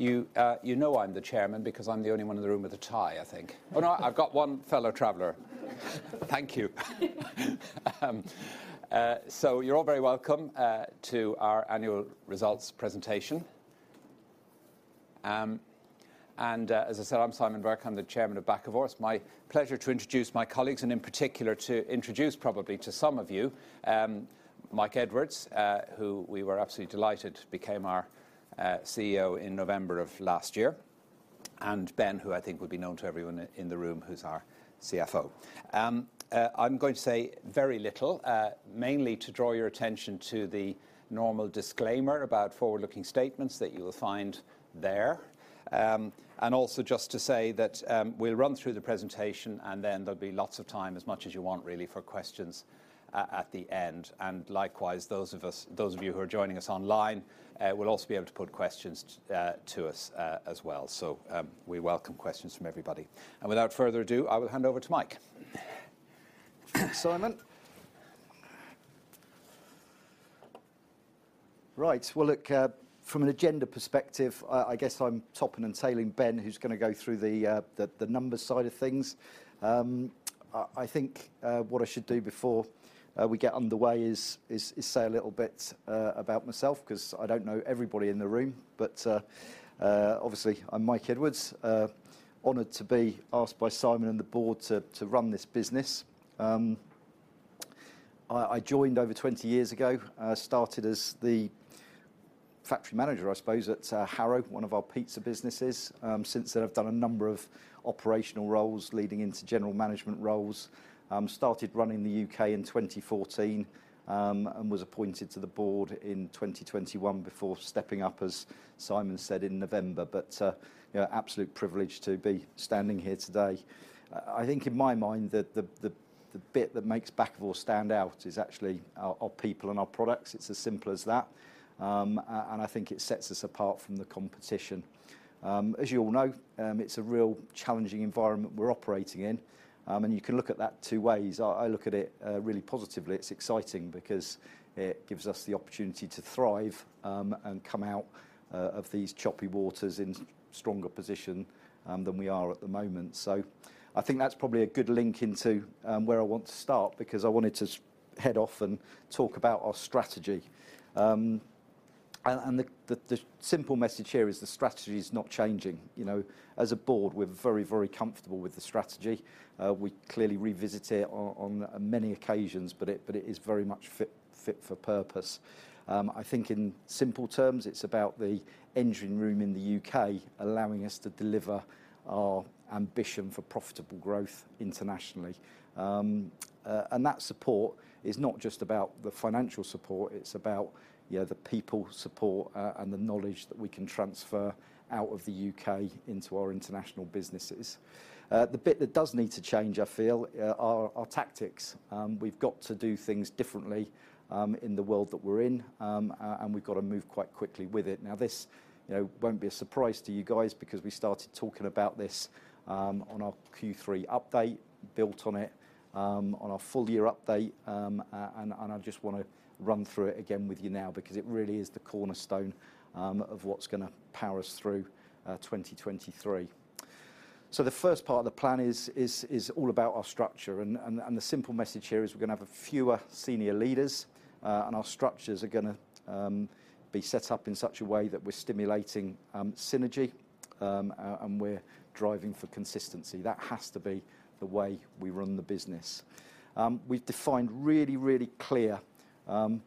You, you know I'm the chairman because I'm the only one in the room with a tie, I think. No, I've got one fellow traveler. Thank you. You're all very welcome to our annual results presentation. As I said, I'm Simon Burke. I'm the Chairman of Bakkavor. It's my pleasure to introduce my colleagues, and in particular to introduce probably to some of you, Mike Edwards, who we were absolutely delighted became our CEO in November of last year, and Ben, who I think would be known to everyone in the room, who's our CFO. I'm going to say very little, mainly to draw your attention to the normal disclaimer about forward-looking statements that you will find there. Also just to say that, we'll run through the presentation and then there'll be lots of time, as much as you want really, for questions at the end. Likewise, those of you who are joining us online, will also be able to put questions to us as well. We welcome questions from everybody. Without further ado, I will hand over to Mike. Simon. Right. Well, look, from an agenda perspective, I guess I'm topping and tailing Ben, who's gonna go through the numbers side of things. I think what I should do before we get underway is say a little bit about myself 'cause I don't know everybody in the room. Obviously, I'm Mike Edwards. Honored to be asked by Simon and the board to run this business. I joined over 20 years ago. I started as the factory manager, I suppose, at Harrow, one of our pizza businesses. Since then I've done a number of operational roles leading into general management roles. Started running the U.K. in 2014 and was appointed to the board in 2021 before stepping up, as Simon said, in November. You know, absolute privilege to be standing here today. I think in my mind the bit that makes Bakkavor stand out is actually our people and our products. It's as simple as that. I think it sets us apart from the competition. As you all know, it's a real challenging environment we're operating in, and you can look at that two ways. I look at it, really positively. It's exciting because it gives us the opportunity to thrive, and come out of these choppy waters in stronger position than we are at the moment. I think that's probably a good link into where I want to start because I wanted to head off and talk about our strategy. The simple message here is the strategy is not changing. You know, as a board, we're very, very comfortable with the strategy. We clearly revisit it on many occasions, but it is very much fit for purpose. I think in simple terms, it's about the engine room in the U.K. allowing us to deliver our ambition for profitable growth internationally. That support is not just about the financial support, it's about, you know, the people support, and the knowledge that we can transfer out of the U.K. into our international businesses. The bit that does need to change, I feel, are our tactics. We've got to do things differently, in the world that we're in, and we've got to move quite quickly with it. This, you know, won't be a surprise to you guys because we started talking about this on our Q3 update, built on it on our full year update. I just wanna run through it again with you now because it really is the cornerstone of what's gonna power us through 2023. The first part of the plan is all about our structure. The simple message here is we're gonna have a fewer senior leaders, and our structures are gonna be set up in such a way that we're stimulating synergy, and we're driving for consistency. That has to be the way we run the business. We've defined really, really clear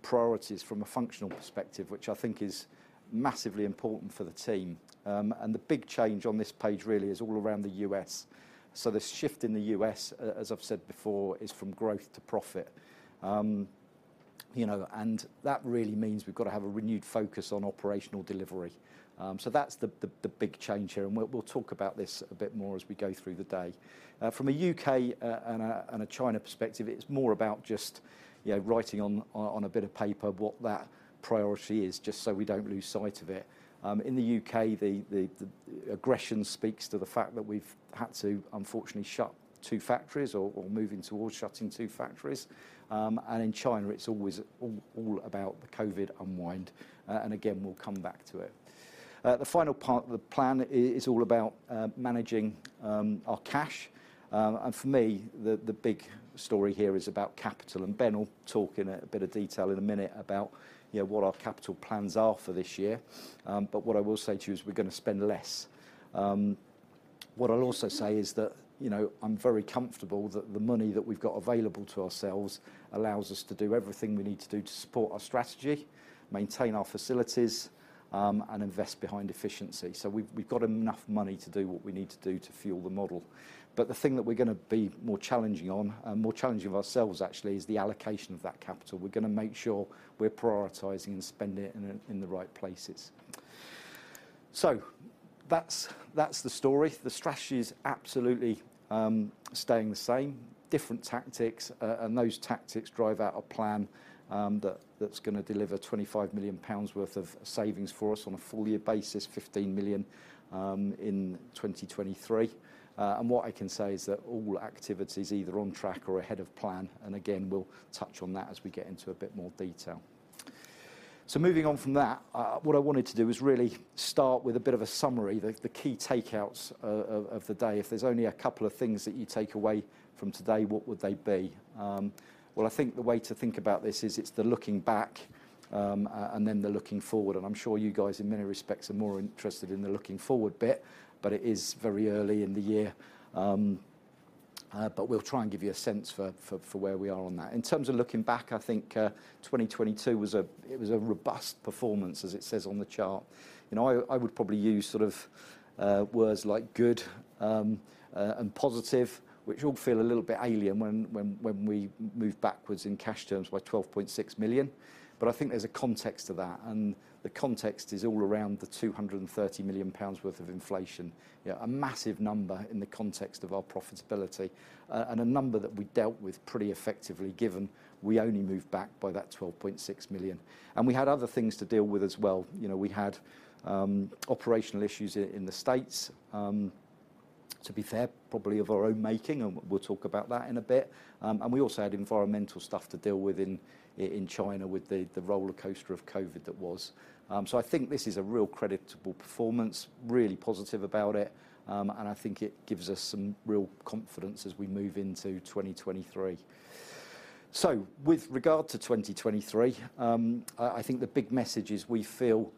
priorities from a functional perspective, which I think is massively important for the team. The big change on this page really is all around the U.S. The shift in the U.S., as I've said before, is from growth to profit. You know, that really means we've got to have a renewed focus on operational delivery. That's the big change here, and we'll talk about this a bit more as we go through the day. From a U.K., and a China perspective, it's more about just, you know, writing on a bit of paper what that priority is just so we don't lose sight of it. In the U.K., the aggression speaks to the fact that we've had to, unfortunately, shut two factories or moving towards shutting two factories. In China, it's always all about the COVID unwind, and again, we'll come back to it. The final part of the plan is all about managing our cash. For me, the big story here is about capital, and Ben will talk in a bit of detail in a minute about, you know, what our capital plans are for this year. What I will say to you is we're gonna spend less. What I'll also say is that, you know, I'm very comfortable that the money that we've got available to ourselves allows us to do everything we need to do to support our strategy, maintain our facilities, and invest behind efficiency. We've got enough money to do what we need to do to fuel the model. The thing that we're gonna be more challenging on, and more challenging of ourselves actually, is the allocation of that capital. We're gonna make sure we're prioritizing and spending it in the right places. That's, that's the story. The strategy is absolutely staying the same. Different tactics, and those tactics drive out a plan that's gonna deliver 25 million pounds worth of savings for us on a full year basis, 15 million in 2023. What I can say is that all activity is either on track or ahead of plan, and again, we'll touch on that as we get into a bit more detail. Moving on from that, what I wanted to do is really start with a bit of a summary. The key takeaways of the day. If there's only a couple of things that you take away from today, what would they be? Well, I think the way to think about this is it's the looking back, and then the looking forward. I'm sure you guys, in many respects, are more interested in the looking forward bit, but it is very early in the year. We'll try and give you a sense for where we are on that. In terms of looking back, I think, 2022 was a, it was a robust performance as it says on the chart. I would probably use sort of, words like good, and positive, which all feel a little bit alien when we move backwards in cash terms by 12.6 million. I think there's a context to that, and the context is all around the 230 million pounds worth of inflation. Yeah, a massive number in the context of our profitability and a number that we dealt with pretty effectively given we only moved back by that 12.6 million. We had other things to deal with as well. You know, we had operational issues in the States, to be fair, probably of our own making, and we'll talk about that in a bit. We also had environmental stuff to deal with in China with the rollercoaster of COVID that was. I think this is a real creditable performance. Really positive about it, and I think it gives us some real confidence as we move into 2023. With regard to 2023, I think the big message is we feel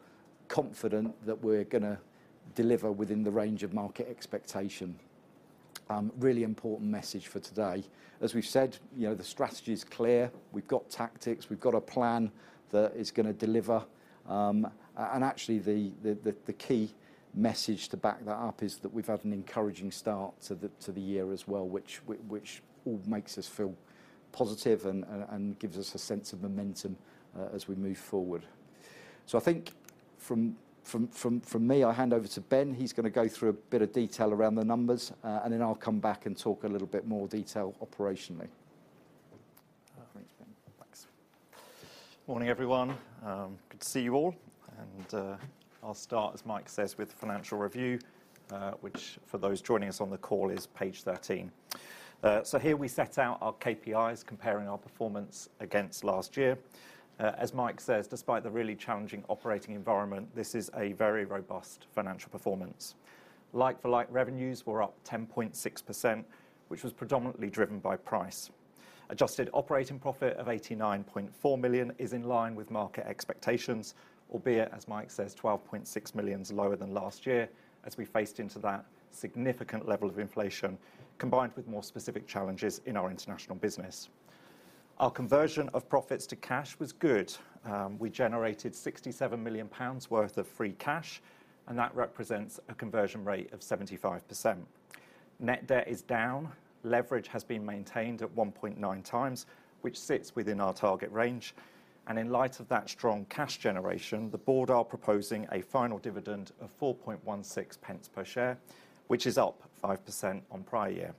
confident that we're gonna deliver within the range of market expectation. Really important message for today. As we've said, you know, the strategy is clear. We've got tactics, we've got a plan that is gonna deliver. Actually, the key message to back that up is that we've had an encouraging start to the year as well, which all makes us feel positive and gives us a sense of momentum as we move forward. I think from me, I'll hand over to Ben. He's gonna go through a bit of detail around the numbers, and then I'll come back and talk a little bit more detail operationally. Great, Ben. Thanks. Morning, everyone. Good to see you all. I'll start, as Mike says, with the financial review, which for those joining us on the call is page 13. Here we set out our KPIs comparing our performance against last year. As Mike says, despite the really challenging operating environment, this is a very robust financial performance. Like-for-like revenues were up 10.6%, which was predominantly driven by price. Adjusted operating profit of 89.4 million is in line with market expectations, albeit, as Mike says, 12.6 million is lower than last year as we faced into that significant level of inflation, combined with more specific challenges in our international business. Our conversion of profits to cash was good. We generated 67 million pounds worth of free cash, and that represents a conversion rate of 75%. Net debt is down. Leverage has been maintained at 1.9x, which sits within our target range. In light of that strong cash generation, the board are proposing a final dividend of 4.16 pence per share, which is up 5% on prior year.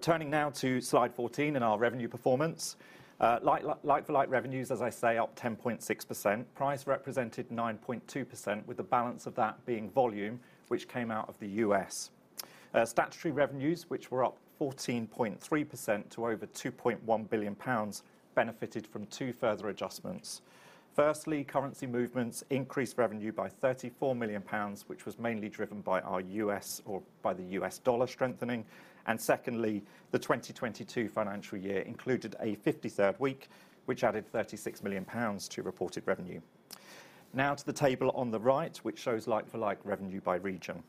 Turning now to slide 14 in our revenue performance. Like-for-like revenues, as I say, up 10.6%. Price represented 9.2% with the balance of that being volume, which came out of the U.S. Statutory revenues, which were up 14.3% to over 2.1 billion pounds, benefited from two further adjustments. Firstly, currency movements increased revenue by 34 million pounds, which was mainly driven by the U.S. dollar strengthening. Secondly, the 2022 financial year included a 53rd week, which added 36 million pounds to reported revenue. Now to the table on the right, which shows like-for-like revenues by region.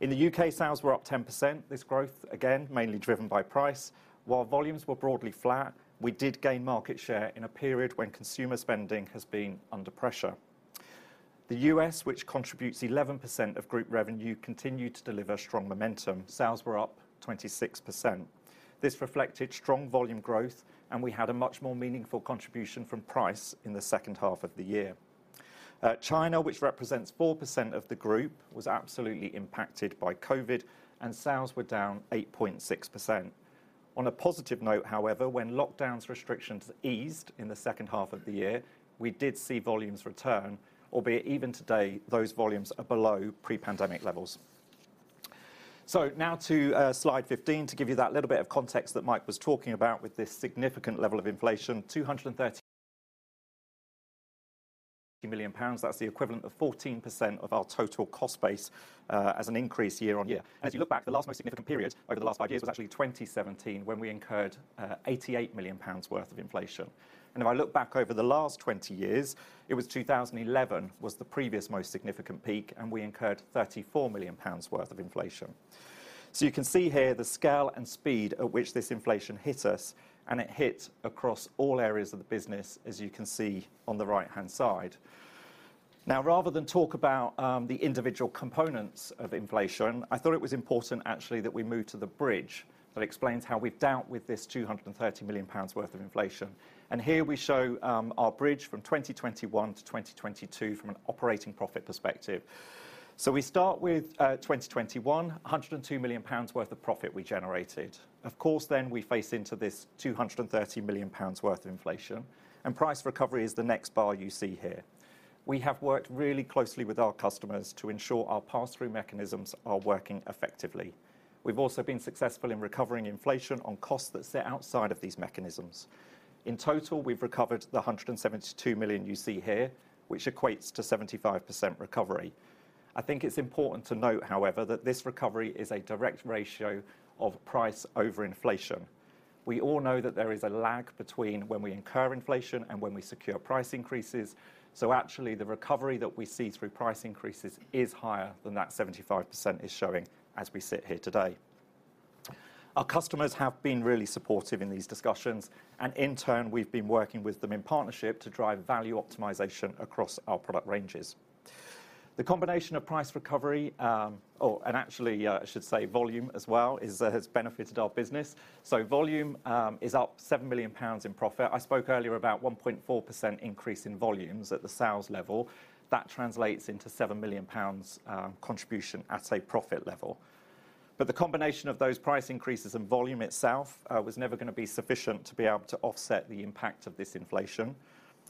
In the U.K., sales were up 10%. This growth, again, mainly driven by price. While volumes were broadly flat, we did gain market share in a period when consumer spending has been under pressure. The U.S., which contributes 11% of group revenue, continued to deliver strong momentum. Sales were up 26%. This reflected strong volume growth, and we had a much more meaningful contribution from price in the second half of the year. China, which represents 4% of the group, was absolutely impacted by COVID, and sales were down 8.6%. On a positive note, however, when lockdowns restrictions eased in the second half of the year, we did see volumes return, albeit even today those volumes are below pre-pandemic levels. Now to slide 15 to give you that little bit of context that Mike was talking about with this significant level of inflation. 230 million pounds, that's the equivalent of 14% of our total cost base, as an increase year-on-year. As you look back, the last most significant period over the last five years was actually 2017 when we incurred 88 million pounds worth of inflation. If I look back over the last 20 years, it was 2011 was the previous most significant peak, and we incurred 34 million pounds worth of inflation. You can see here the scale and speed at which this inflation hit us, and it hit across all areas of the business, as you can see on the right-hand side. Rather than talk about the individual components of inflation, I thought it was important actually, that we move to the bridge that explains how we've dealt with this 230 million pounds worth of inflation. Here we show our bridge from 2021-2022 from an operating profit perspective. We start with 2021, 102 million pounds worth of profit we generated. Of course, we face into this 230 million pounds worth of inflation, and price recovery is the next bar you see here. We have worked really closely with our customers to ensure our pass-through mechanisms are working effectively. We've also been successful in recovering inflation on costs that sit outside of these mechanisms. In total, we've recovered the 172 million you see here, which equates to 75% recovery. I think it's important to note, however, that this recovery is a direct ratio of price over inflation. We all know that there is a lag between when we incur inflation and when we secure price increases. Actually, the recovery that we see through price increases is higher than that 75% is showing as we sit here today. Our customers have been really supportive in these discussions, and in turn, we've been working with them in partnership to drive Value Optimization across our product ranges. The combination of price recovery, and actually, I should say volume as well, has benefited our business. Volume is up 7 million pounds in profit. I spoke earlier about 1.4% increase in volumes at the sales level. That translates into 7 million pounds contribution at a profit level. The combination of those price increases and volume itself was never gonna be sufficient to be able to offset the impact of this inflation.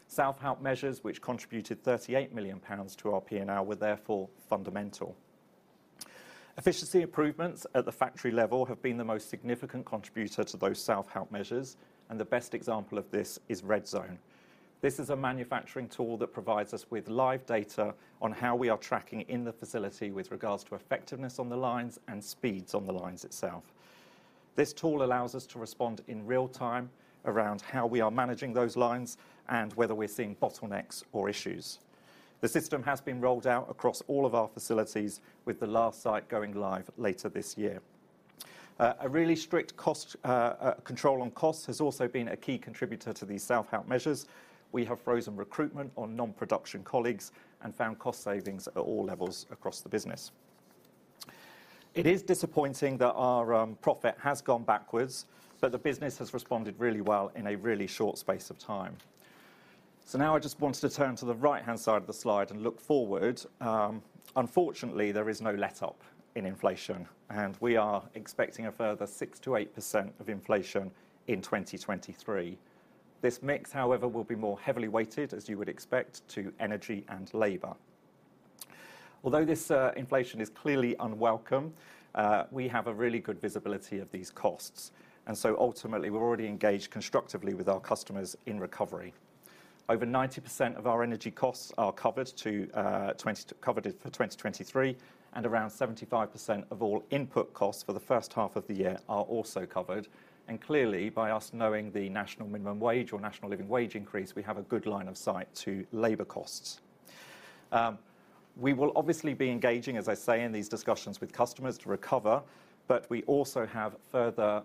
Self-help measures which contributed 38 million pounds to our P&L were therefore fundamental. Efficiency improvements at the factory level have been the most significant contributor to those self-help measures, and the best example of this is Redzone. This is a manufacturing tool that provides us with live data on how we are tracking in the facility with regards to effectiveness on the lines and speeds on the lines itself. This tool allows us to respond in real time around how we are managing those lines and whether we're seeing bottlenecks or issues. The system has been rolled out across all of our facilities, with the last site going live later this year. A really strict control on cost has also been a key contributor to these self-help measures. We have frozen recruitment on non-production colleagues and found cost savings at all levels across the business. It is disappointing that our profit has gone backwards, but the business has responded really well in a really short space of time. Now I just wanted to turn to the right-hand side of the slide and look forward. Unfortunately, there is no letup in inflation, and we are expecting a further 6%-8% of inflation in 2023. This mix, however, will be more heavily weighted, as you would expect, to energy and labor. Although this inflation is clearly unwelcome, we have a really good visibility of these costs. Ultimately, we're already engaged constructively with our customers in recovery. Over 90% of our energy costs are covered it for 2023, and around 75% of all input costs for the first half of the year are also covered. Clearly, by us knowing the National Minimum Wage or National Living Wage increase, we have a good line of sight to labor costs. We will obviously be engaging, as I say, in these discussions with customers to recover, but we also have further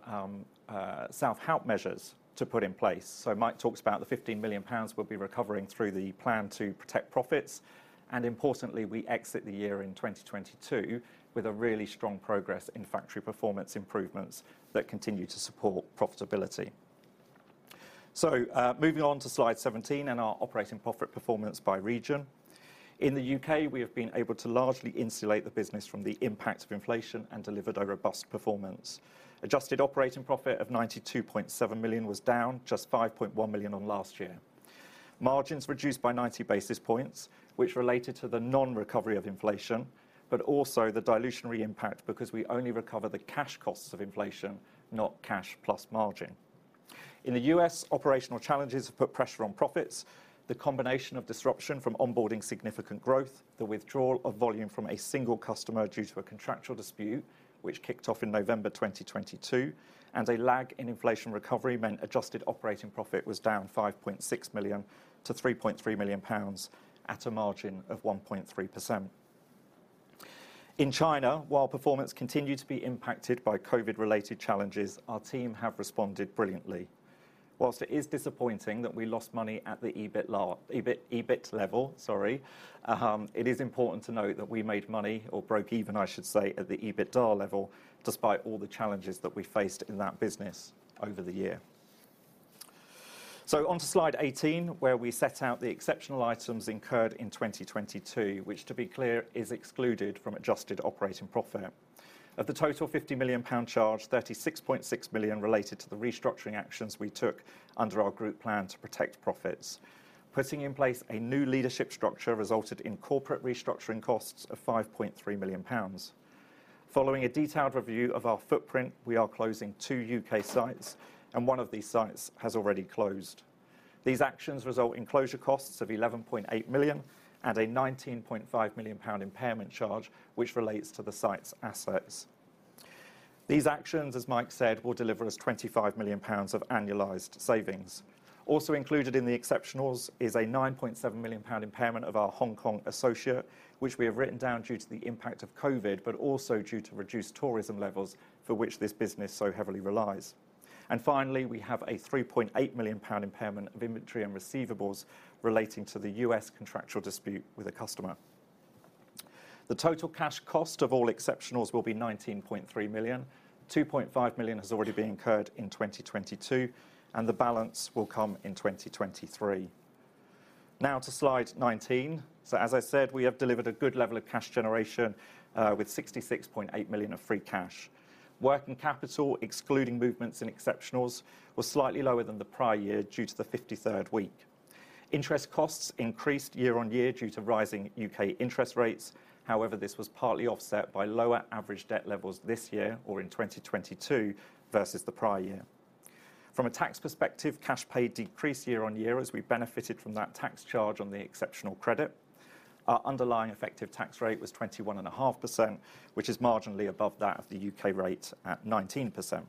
self-help measures to put in place. Mike talked about the 15 million pounds we'll be recovering through the plan to protect profits. Importantly, we exit the year in 2022 with a really strong progress in factory performance improvements that continue to support profitability. Moving on to slide 17 and our operating profit performance by region. In the U.K., we have been able to largely insulate the business from the impact of inflation and delivered a robust performance. Adjusted operating profit of 92.7 million was down just 5.1 million on last year. Margins reduced by 90 basis points, which related to the non-recovery of inflation, but also the dilutionary impact because we only recover the cash costs of inflation, not cash plus margin. In the U.S., operational challenges have put pressure on profits. The combination of disruption from onboarding significant growth, the withdrawal of volume from a single customer due to a contractual dispute, which kicked off in November 2022, and a lag in inflation recovery meant adjusted operating profit was down 5.6 million-3.3 million pounds at a margin of 1.3%. In China, while performance continued to be impacted by COVID-related challenges, our team have responded brilliantly. While it is disappointing that we lost money at the EBIT level, sorry, it is important to note that we made money or broke even, I should say, at the EBITDA level, despite all the challenges that we faced in that business over the year. Onto slide 18, where we set out the exceptional items incurred in 2022, which, to be clear, is excluded from adjusted operating profit. Of the total 50 million pound charge, 36.6 million related to the restructuring actions we took under our group plan to protect profits. Putting in place a new leadership structure resulted in corporate restructuring costs of 5.3 million pounds. Following a detailed review of our footprint, we are closing two U.K. sites, and one of these sites has already closed. These actions result in closure costs of 11.8 million and a 19.5 million pound impairment charge, which relates to the site's assets. These actions, as Mike said, will deliver us 25 million pounds of annualized savings. Also included in the exceptionals is a 9.7 million pound impairment of our Hong Kong associate, which we have written down due to the impact of COVID, but also due to reduced tourism levels for which this business so heavily relies. Finally, we have a 3.8 million pound impairment of inventory and receivables relating to the U.S. contractual dispute with a customer. The total cash cost of all exceptionals will be 19.3 million. 2.5 million has already been incurred in 2022, and the balance will come in 2023. Now to slide 19. As I said, we have delivered a good level of cash generation with 66.8 million of free cash. Working capital, excluding movements in exceptionals, was slightly lower than the prior year due to the fifty-third week. Interest costs increased year-over-year due to rising U.K. interest rates. However, this was partly offset by lower average debt levels this year or in 2022 versus the prior year. From a tax perspective, cash paid decreased year-on-year as we benefited from that tax charge on the exceptional credit. Our underlying effective tax rate was 21.5%, which is marginally above that of the U.K. rate at 19%.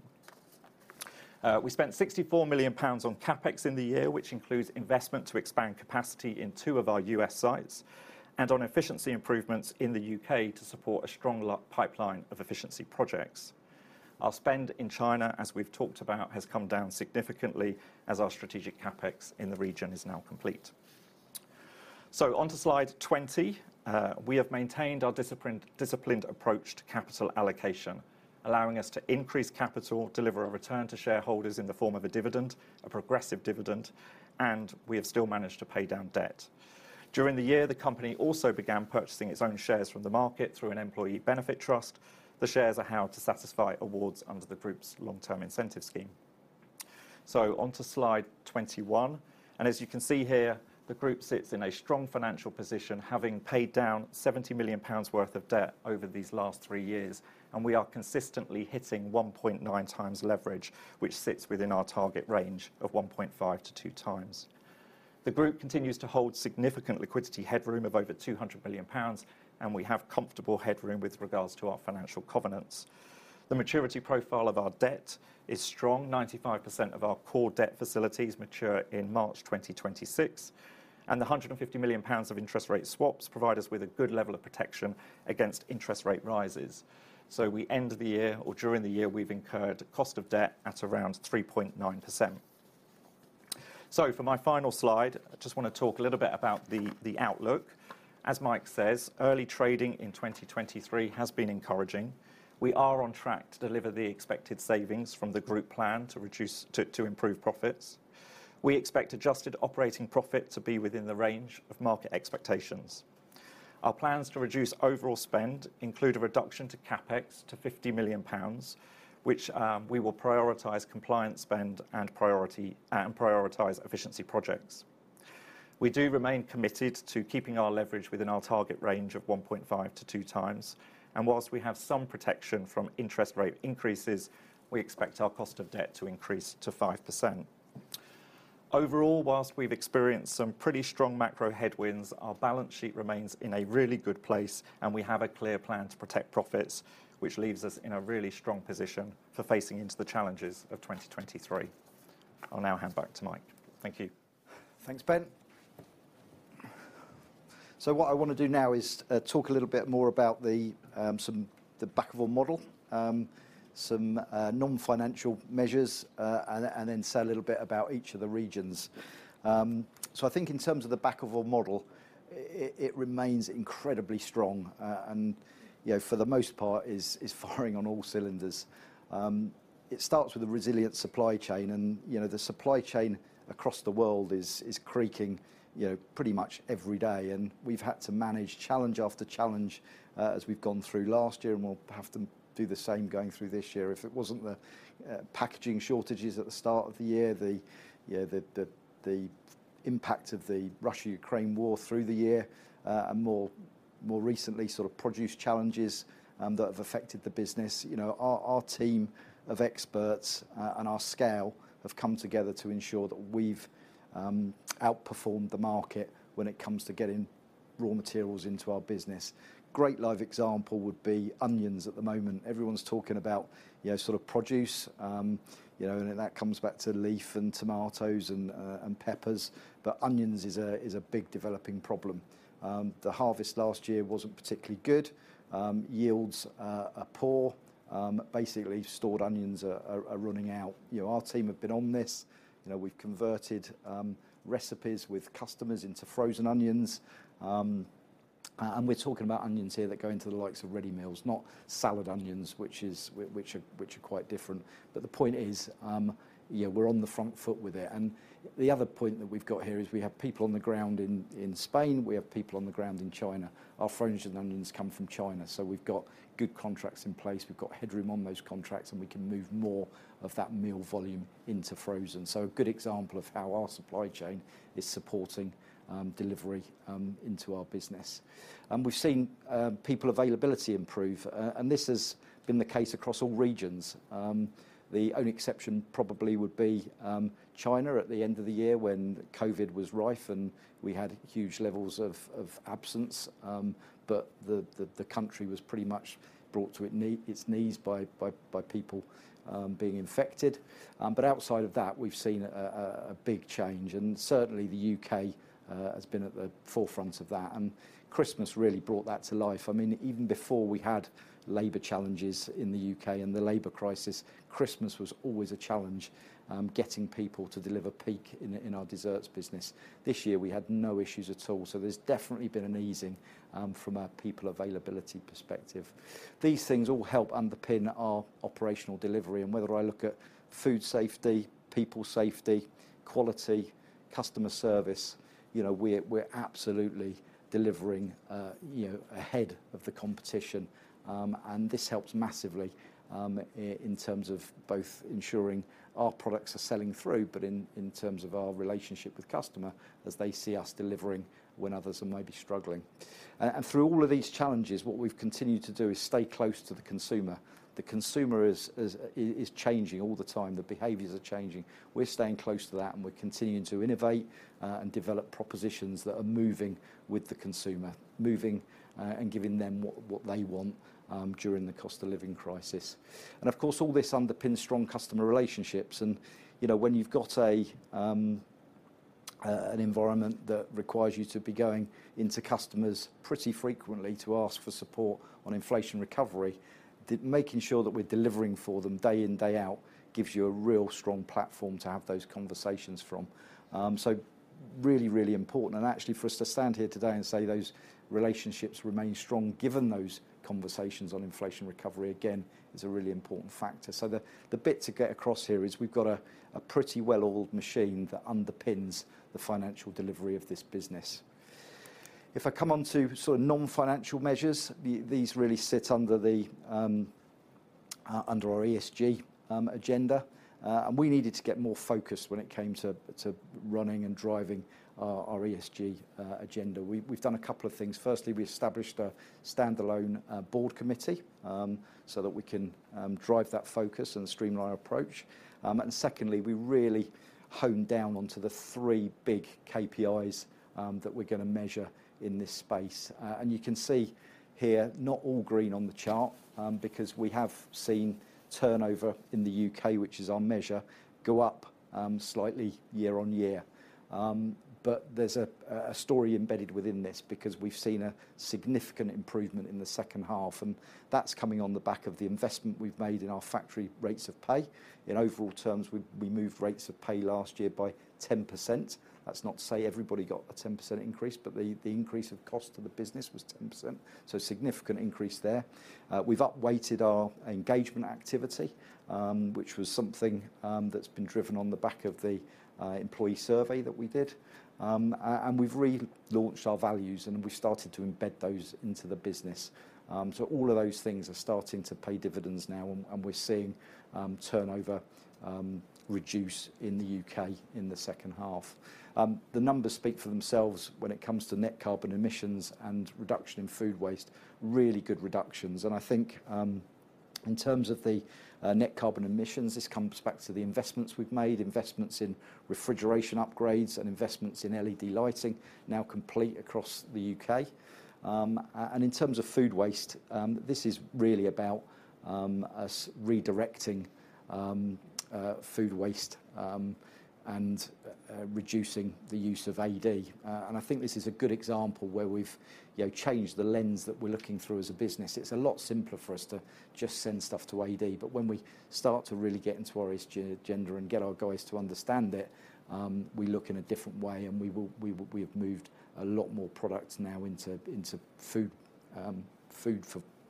We spent 64 million pounds on CapEx in the year, which includes investment to expand capacity in two of our U.S. sites and on efficiency improvements in the U.K. to support a strong pipeline of efficiency projects. Our spend in China, as we've talked about, has come down significantly as our strategic CapEx in the region is now complete. Onto slide 20. We have maintained our disciplined approach to capital allocation, allowing us to increase capital, deliver a return to shareholders in the form of a dividend, a progressive dividend, and we have still managed to pay down debt. During the year, the company also began purchasing its own shares from the market through an Employee Benefit Trust. The shares are held to satisfy awards under the group's long-term incentive scheme. Onto slide 21, and as you can see here, the group sits in a strong financial position, having paid down 70 million pounds worth of debt over these last three years, and we are consistently hitting 1.9x leverage, which sits within our target range of 1.5x-2x. The group continues to hold significant liquidity headroom of over 200 million pounds, and we have comfortable headroom with regards to our financial covenants. The maturity profile of our debt is strong. 95% of our core debt facilities mature in March 2026, the 150 million pounds of interest rate swaps provide us with a good level of protection against interest rate rises. We end the year or during the year, we've incurred cost of debt at around 3.9%. For my final slide, I just wanna talk a little bit about the outlook. As Mike says, early trading in 2023 has been encouraging. We are on track to deliver the expected savings from the group plan to improve profits. We expect adjusted operating profit to be within the range of market expectations. Our plans to reduce overall spend include a reduction to CapEx to 50 million pounds, which we will prioritize compliance spend and priority and prioritize efficiency projects. We do remain committed to keeping our leverage within our target range of 1.5x to 2x. While we have some protection from interest rate increases, we expect our cost of debt to increase to 5%. Overall, while we've experienced some pretty strong macro headwinds, our balance sheet remains in a really good place, and we have a clear plan to protect profits, which leaves us in a really strong position for facing into the challenges of 2023. I'll now hand back to Mike. Thank you. Thanks, Ben. What I wanna do now is talk a little bit more about the Bakkavor model, non-financial measures, and then say a little bit about each of the regions. I think in terms of the Bakkavor model, it remains incredibly strong, and, you know, for the most part is firing on all cylinders. It starts with a resilient supply chain, you know, the supply chain across the world is creaking, you know, pretty much every day, and we've had to manage challenge after challenge as we've gone through last year, and we'll have to do the same going through this year. If it wasn't the packaging shortages at the start of the year, the, you know, the impact of the Russia-Ukraine War through the year, and more recently, sort of produce challenges that have affected the business. You know, our team of experts and our scale have come together to ensure that we've outperformed the market when it comes to getting raw materials into our business. Great live example would be onions at the moment. Everyone's talking about, you know, sort of produce. You know, that comes back to leaf and tomatoes and peppers. Onions is a big developing problem. The harvest last year wasn't particularly good. Yields are poor. Basically stored onions are running out. You know, our team have been on this. You know, we've converted recipes with customers into frozen onions. We're talking about onions here that go into the likes of ready meals, not salad onions, which are quite different. The point is, you know, we're on the front foot with it. The other point that we've got here is we have people on the ground in Spain. We have people on the ground in China. Our frozen onions come from China, so we've got good contracts in place. We've got headroom on those contracts, and we can move more of that meal volume into frozen. A good example of how our supply chain is supporting delivery into our business. We've seen people availability improve. This has been the case across all regions. The only exception probably would be China at the end of the year when COVID was rife, and we had huge levels of absence. The country was pretty much brought to its knees by people being infected. Outside of that, we've seen a big change, and certainly the U.K. has been at the forefront of that. Christmas really brought that to life. I mean, even before we had labor challenges in the U.K. and the labor crisis, Christmas was always a challenge, getting people to deliver peak in our desserts business. This year we had no issues at all, there's definitely been an easing from a people availability perspective. These things all help underpin our operational delivery and whether I look at food safety, people safety, quality, customer service, you know, we're absolutely delivering, you know, ahead of the competition. This helps massively in terms of both ensuring our products are selling through, but in terms of our relationship with customer as they see us delivering when others are maybe struggling. Through all of these challenges, what we've continued to do is stay close to the consumer. The consumer is changing all the time. The behaviors are changing. We're staying close to that, and we're continuing to innovate and develop propositions that are moving with the consumer, moving and giving them what they want during the cost of living crisis. Of course, all this underpins strong customer relationships and, you know, when you've got an environment that requires you to be going into customers pretty frequently to ask for support on inflation recovery, the making sure that we're delivering for them day in, day out gives you a real strong platform to have those conversations from. Really, really important, and actually for us to stand here today and say those relationships remain strong given those conversations on inflation recovery, again, is a really important factor. The bit to get across here is we've got a pretty well-oiled machine that underpins the financial delivery of this business. If I come on to sort of non-financial measures, these really sit under the under our ESG agenda. We needed to get more focused when it came to running and driving our ESG agenda. We've done a couple of things. Firstly, we established a standalone board committee so that we can drive that focus and streamline our approach. Secondly, we really honed down onto the three big KPIs that we're gonna measure in this space. You can see here, not all green on the chart, because we have seen turnover in the U.K., which is our measure, go up slightly year-on-year. There's a story embedded within this because we've seen a significant improvement in the second half, and that's coming on the back of the investment we've made in our factory rates of pay. In overall terms, we moved rates of pay last year by 10%. That's not to say everybody got a 10% increase, but the increase of cost to the business was 10%, so a significant increase there. We've up-weighted our engagement activity, which was something that's been driven on the back of the employee survey that we did and we've relaunched our values, and we've started to embed those into the business. All of those things are starting to pay dividends now and we're seeing turnover reduce in the U.K. in the second half. The numbers speak for themselves when it comes to net carbon emissions and reduction in food waste. Really good reductions and I think, in terms of the net carbon emissions, this comes back to the investments we've made, investments in refrigeration upgrades and investments in LED lighting now complete across the U.K. In terms of food waste, this is really about us redirecting food waste and reducing the use of AD. I think this is a good example where we've, you know, changed the lens that we're looking through as a business. It's a lot simpler for us to just send stuff to AD. When we start to really get into our ESG agenda and get our guys to understand it, we look in a different way, and we have moved a lot more products now into food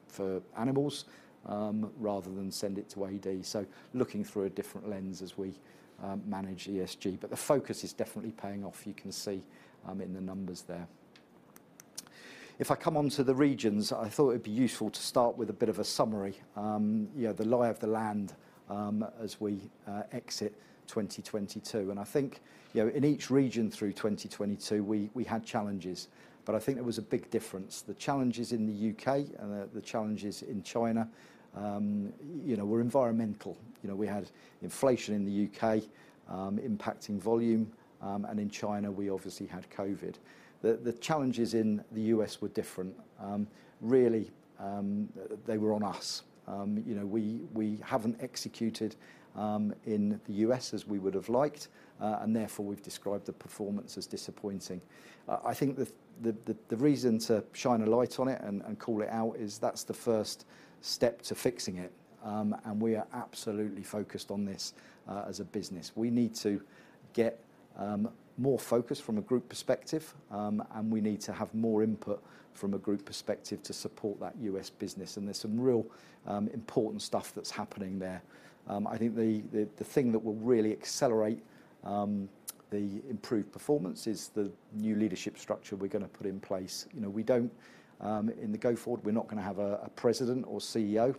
for animals rather than send it to AD. Looking through a different lens as we manage ESG. The focus is definitely paying off. You can see in the numbers there. If I come on to the regions, I thought it'd be useful to start with a bit of a summary, you know, the lie of the land, as we exit 2022. I think, you know, in each region through 2022, we had challenges, but I think there was a big difference. The challenges in the U.K. and the challenges in China, you know, were environmental. You know, we had inflation in the U.K., impacting volume, and in China, we obviously had COVID. The challenges in the U.S. were different. Really, they were on us. You know, we haven't executed in the U.S. as we would have liked, and therefore, we've described the performance as disappointing. I think the reason to shine a light on it and call it out is that's the first step to fixing it. We are absolutely focused on this as a business. We need to get more focus from a group perspective, and we need to have more input from a group perspective to support that U.S. business. There's some real important stuff that's happening there. I think the thing that will really accelerate the improved performance is the new leadership structure we're gonna put in place. You know, we don't, in the go forward, we're not gonna have a president or CEO.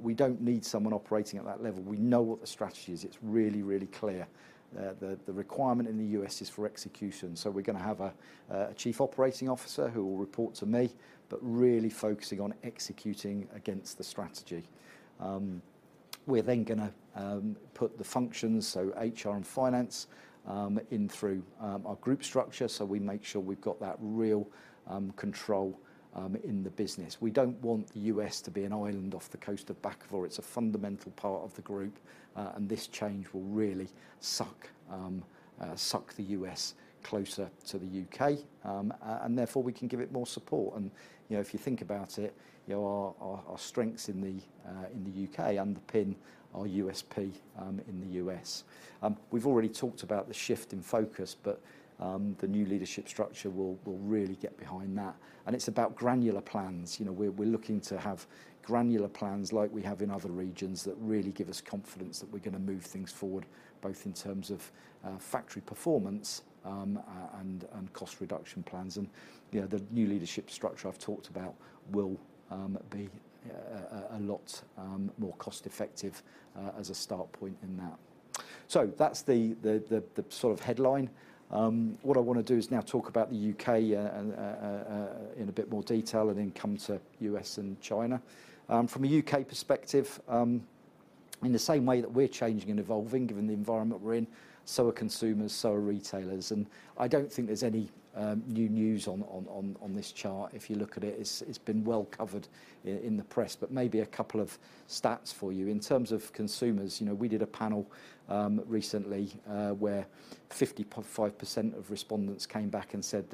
We don't need someone operating at that level. We know what the strategy is. It's really clear that the requirement in the U.S. is for execution, so we're gonna have a chief operating officer who will report to me, but really focusing on executing against the strategy. We're then gonna put the functions, so HR and finance, in through our group structure, so we make sure we've got that real control in the business. We don't want the U.S. to be an island off the coast of Bakkavor. It's a fundamental part of the group. This change will really suck the U.S. closer to the U.K., and therefore we can give it more support. You know, if you think about it, you know, our strengths in the U.K. underpin our USP in the U.S. We've already talked about the shift in focus, the new leadership structure will really get behind that. It's about granular plans. You know, we're looking to have granular plans like we have in other regions that really give us confidence that we're gonna move things forward, both in terms of factory performance and cost reduction plans. You know, the new leadership structure I've talked about will be a lot more cost-effective as a start point in that. That's the sort of headline. What I want to do is now talk about the U.K. in a bit more detail and then come to U.S. and China. From a U.K. perspective, in the same way that we're changing and evolving given the environment we're in, so are consumers, so are retailers. I don't think there's any new news on this chart. If you look at it's been well covered in the press. Maybe a couple of stats for you. In terms of consumers, you know, we did a panel recently where 50.5% of respondents came back and said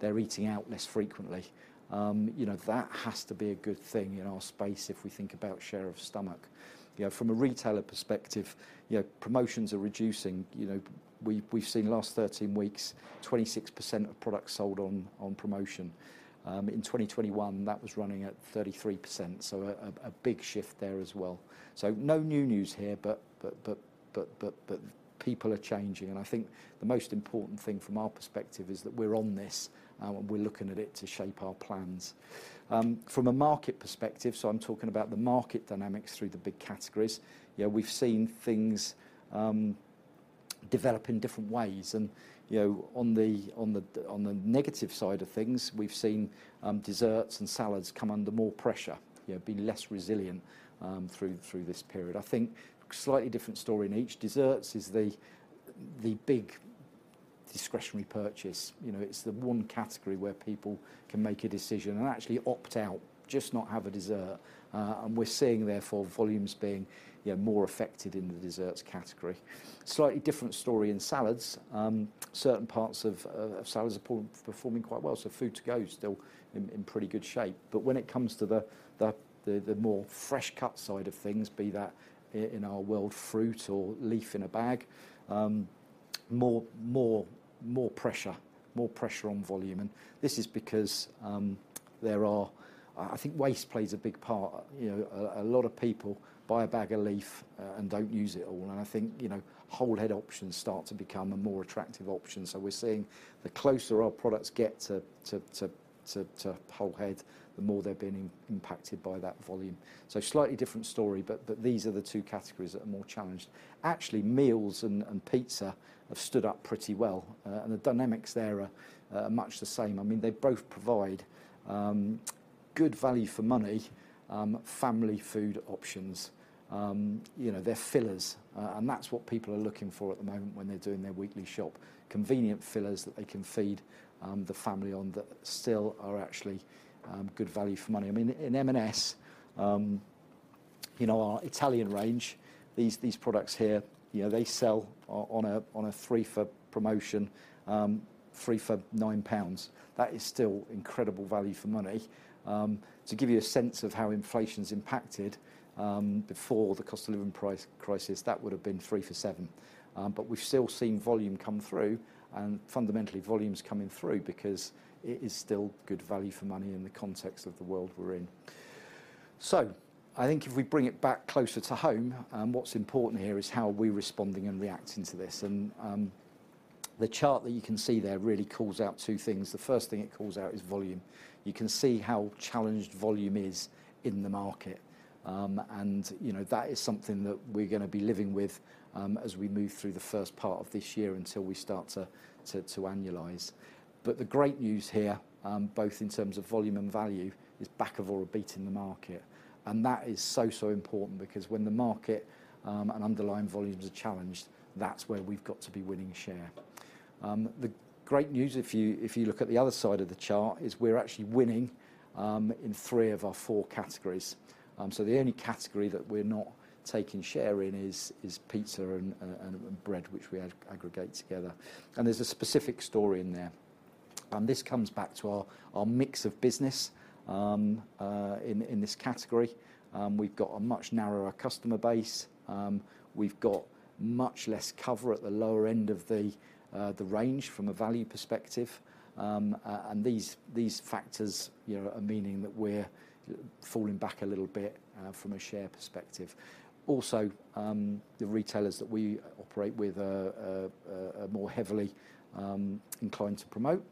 they're eating out less frequently. That has to be a good thing in our space if we think about share of stomach. From a retailer perspective, you know, promotions are reducing. We've seen the last 13 weeks, 26% of products sold on promotion. In 2021, that was running at 33%, a big shift there as well. No new news here, but people are changing. I think the most important thing from our perspective is that we're on this and we're looking at it to shape our plans. From a market perspective, so I'm talking about the market dynamics through the big categories, you know, we've seen things develop in different ways. You know, on the negative side of things, we've seen desserts and salads come under more pressure, you know, be less resilient through this period. I think slightly different story in each. Desserts is the big discretionary purchase. You know, it's the one category where people can make a decision and actually opt out, just not have a dessert. We're seeing therefore volumes being, yeah, more affected in the desserts category. Slightly different story in salads. Certain parts of salads are performing quite well, so food-to-go is still in pretty good shape. When it comes to the more fresh cut side of things, be that in our world, fruit or leaf in a bag, more pressure on volume. This is because there are. I think waste plays a big part. You know, a lot of people buy a bag of leaf, and don't use it all. I think, you know, whole head options start to become a more attractive option. We're seeing the closer our products get to whole head, the more they're being impacted by that volume. Slightly different story, but these are the two categories that are more challenged. Actually, meals and pizza have stood up pretty well. The dynamics there are much the same. I mean, they both provide good value for money, family food options. You know, they're fillers, that's what people are looking for at the moment when they're doing their weekly shop, convenient fillers that they can feed the family on that still are actually good value for money. I mean, in M&S, you know, our Italian range, these products here, you know, they sell on a three for promotion, three for 9 pounds. That is still incredible value for money. To give you a sense of how inflation's impacted, before the cost of living crisis, that would have been three for 7. We've still seen volume come through, fundamentally volume's coming through because it is still good value for money in the context of the world we're in. I think if we bring it back closer to home, what's important here is how are we responding and reacting to this. The chart that you can see there really calls out two things. The first thing it calls out is volume. You can see how challenged volume is in the market. You know, that is something that we're gonna be living with as we move through the first part of this year until we start to annualize. The great news here, both in terms of volume and value, is Bakkavor beating the market. That is so important because when the market and underlying volumes are challenged, that's where we've got to be winning share. The great news if you, if you look at the other side of the chart is we're actually winning in three of our four categories. The only category that we're not taking share in is pizza and bread, which we aggregate together. There's a specific story in there. This comes back to our mix of business in this category. We've got a much narrower customer base. We've got much less cover at the lower end of the range from a value perspective and these factors, you know, are meaning that we're falling back a little bit from a share perspective. Also the retailers that we operate with are more heavily inclined to promote,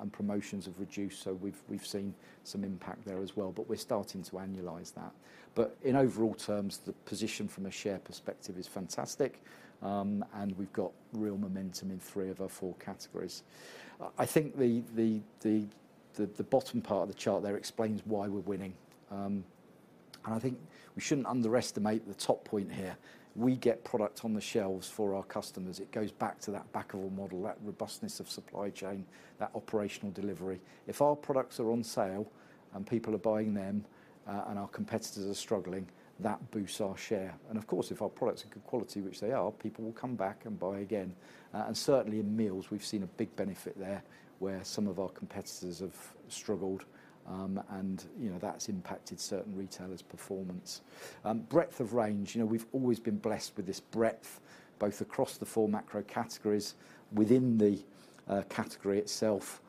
and promotions have reduced, so we've seen some impact there as well. We're starting to annualize that. In overall terms, the position from a share perspective is fantastic, and we've got real momentum in three of our four categories. I think the bottom part of the chart there explains why we're winning. I think we shouldn't underestimate the top point here. We get product on the shelves for our customers. It goes back to that Bakkavor model, that robustness of supply chain, that operational delivery. If our products are on sale and people are buying them, and our competitors are struggling, that boosts our share. Of course, if our products are good quality, which they are, people will come back and buy again. Certainly in meals, we've seen a big benefit there, where some of our competitors have struggled, and, you know, that's impacted certain retailers' performance. Breadth of range, you know, we've always been blessed with this breadth, both across the four macro categories, within the category itself.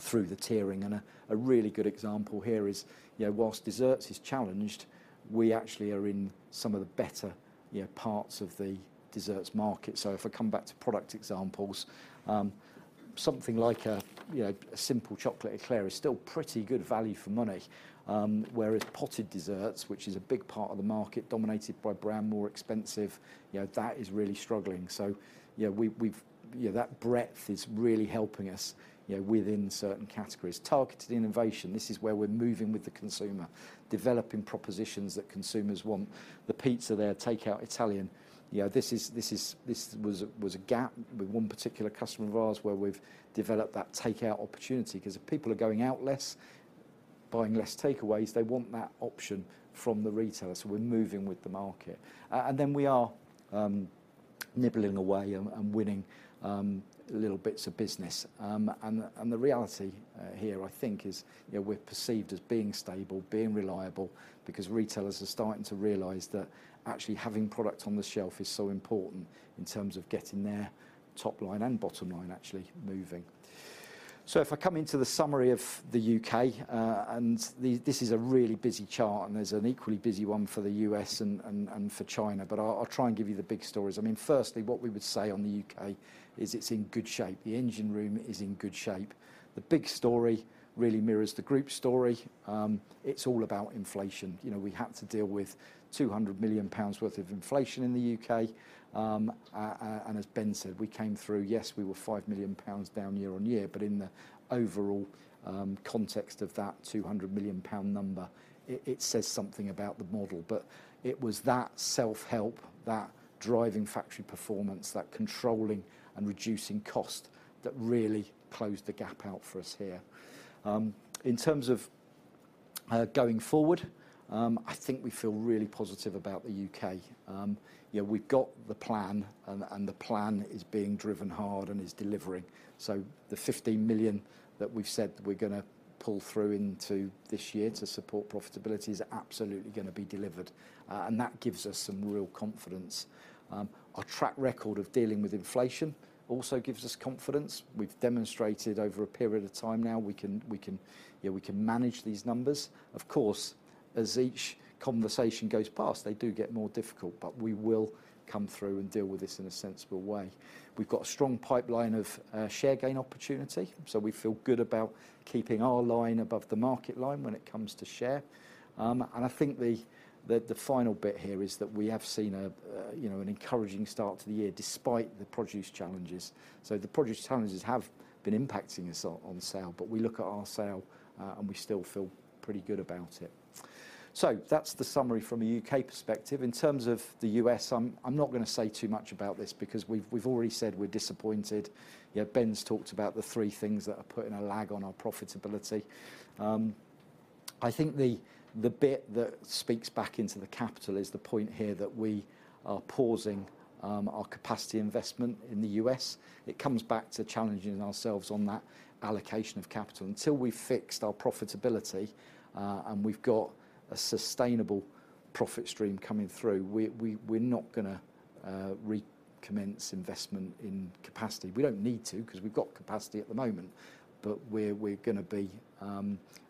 Through the tiering. A really good example here is, you know, whilst desserts is challenged, we actually are in some of the better, you know, parts of the desserts market. If I come back to product examples, something like a, you know, a simple chocolate eclair is still pretty good value for money, whereas potted desserts, which is a big part of the market dominated by brand, more expensive, you know, that is really struggling. You know, we've, you know, that breadth is really helping us, you know, within certain categories. Targeted innovation, this is where we're moving with the consumer, developing propositions that consumers want. The pizza there, take-out Italian, you know, this is, this was a gap with one particular customer of ours where we've developed that take-out opportunity 'cause if people are going out less, buying less takeaways, they want that option from the retailer. We're moving with the market. We are nibbling away and winning, little bits of business. The reality here, I think, is, you know, we're perceived as being stable, being reliable, because retailers are starting to realize that actually having product on the shelf is so important in terms of getting their top line and bottom line actually moving. If I come into the summary of the U.K., this is a really busy chart, and there's an equally busy one for the U.S. and for China. I'll try and give you the big stories. I mean, firstly, what we would say on the U.K. is it's in good shape. The engine room is in good shape. The big story really mirrors the Group story. It's all about inflation. You know, we had to deal with 200 million pounds worth of inflation in the U.K. As Ben said, we came through. Yes, we were 5 million pounds down year-on-year, but in the overall context of that 200 million pound number, it says something about the model. It was that self-help, that driving factory performance, that controlling and reducing cost that really closed the gap out for us here. In terms of going forward, I think we feel really positive about the U.K. You know, we've got the plan and the plan is being driven hard and is delivering. The 15 million that we've said we're gonna pull through into this year to support profitability is absolutely gonna be delivered. That gives us some real confidence. Our track record of dealing with inflation also gives us confidence. We've demonstrated over a period of time now, we can, you know, we can manage these numbers. Of course, as each conversation goes past, they do get more difficult. We will come through and deal with this in a sensible way. We've got a strong pipeline of share gain opportunity. We feel good about keeping our line above the market line when it comes to share. I think the final bit here is that we have seen a, you know, an encouraging start to the year despite the produce challenges. The produce challenges have been impacting us on sale. We look at our sale. We still feel pretty good about it. That's the summary from a U.K. perspective. In terms of the U.S., I'm not gonna say too much about this because we've already said we're disappointed. You know, Ben's talked about the three things that are putting a lag on our profitability. I think the bit that speaks back into the capital is the point here that we are pausing our capacity investment in the U.S. It comes back to challenging ourselves on that allocation of capital. Until we've fixed our profitability, and we've got a sustainable profit stream coming through, we're not gonna recommence investment in capacity. We don't need to 'cause we've got capacity at the moment. We're gonna be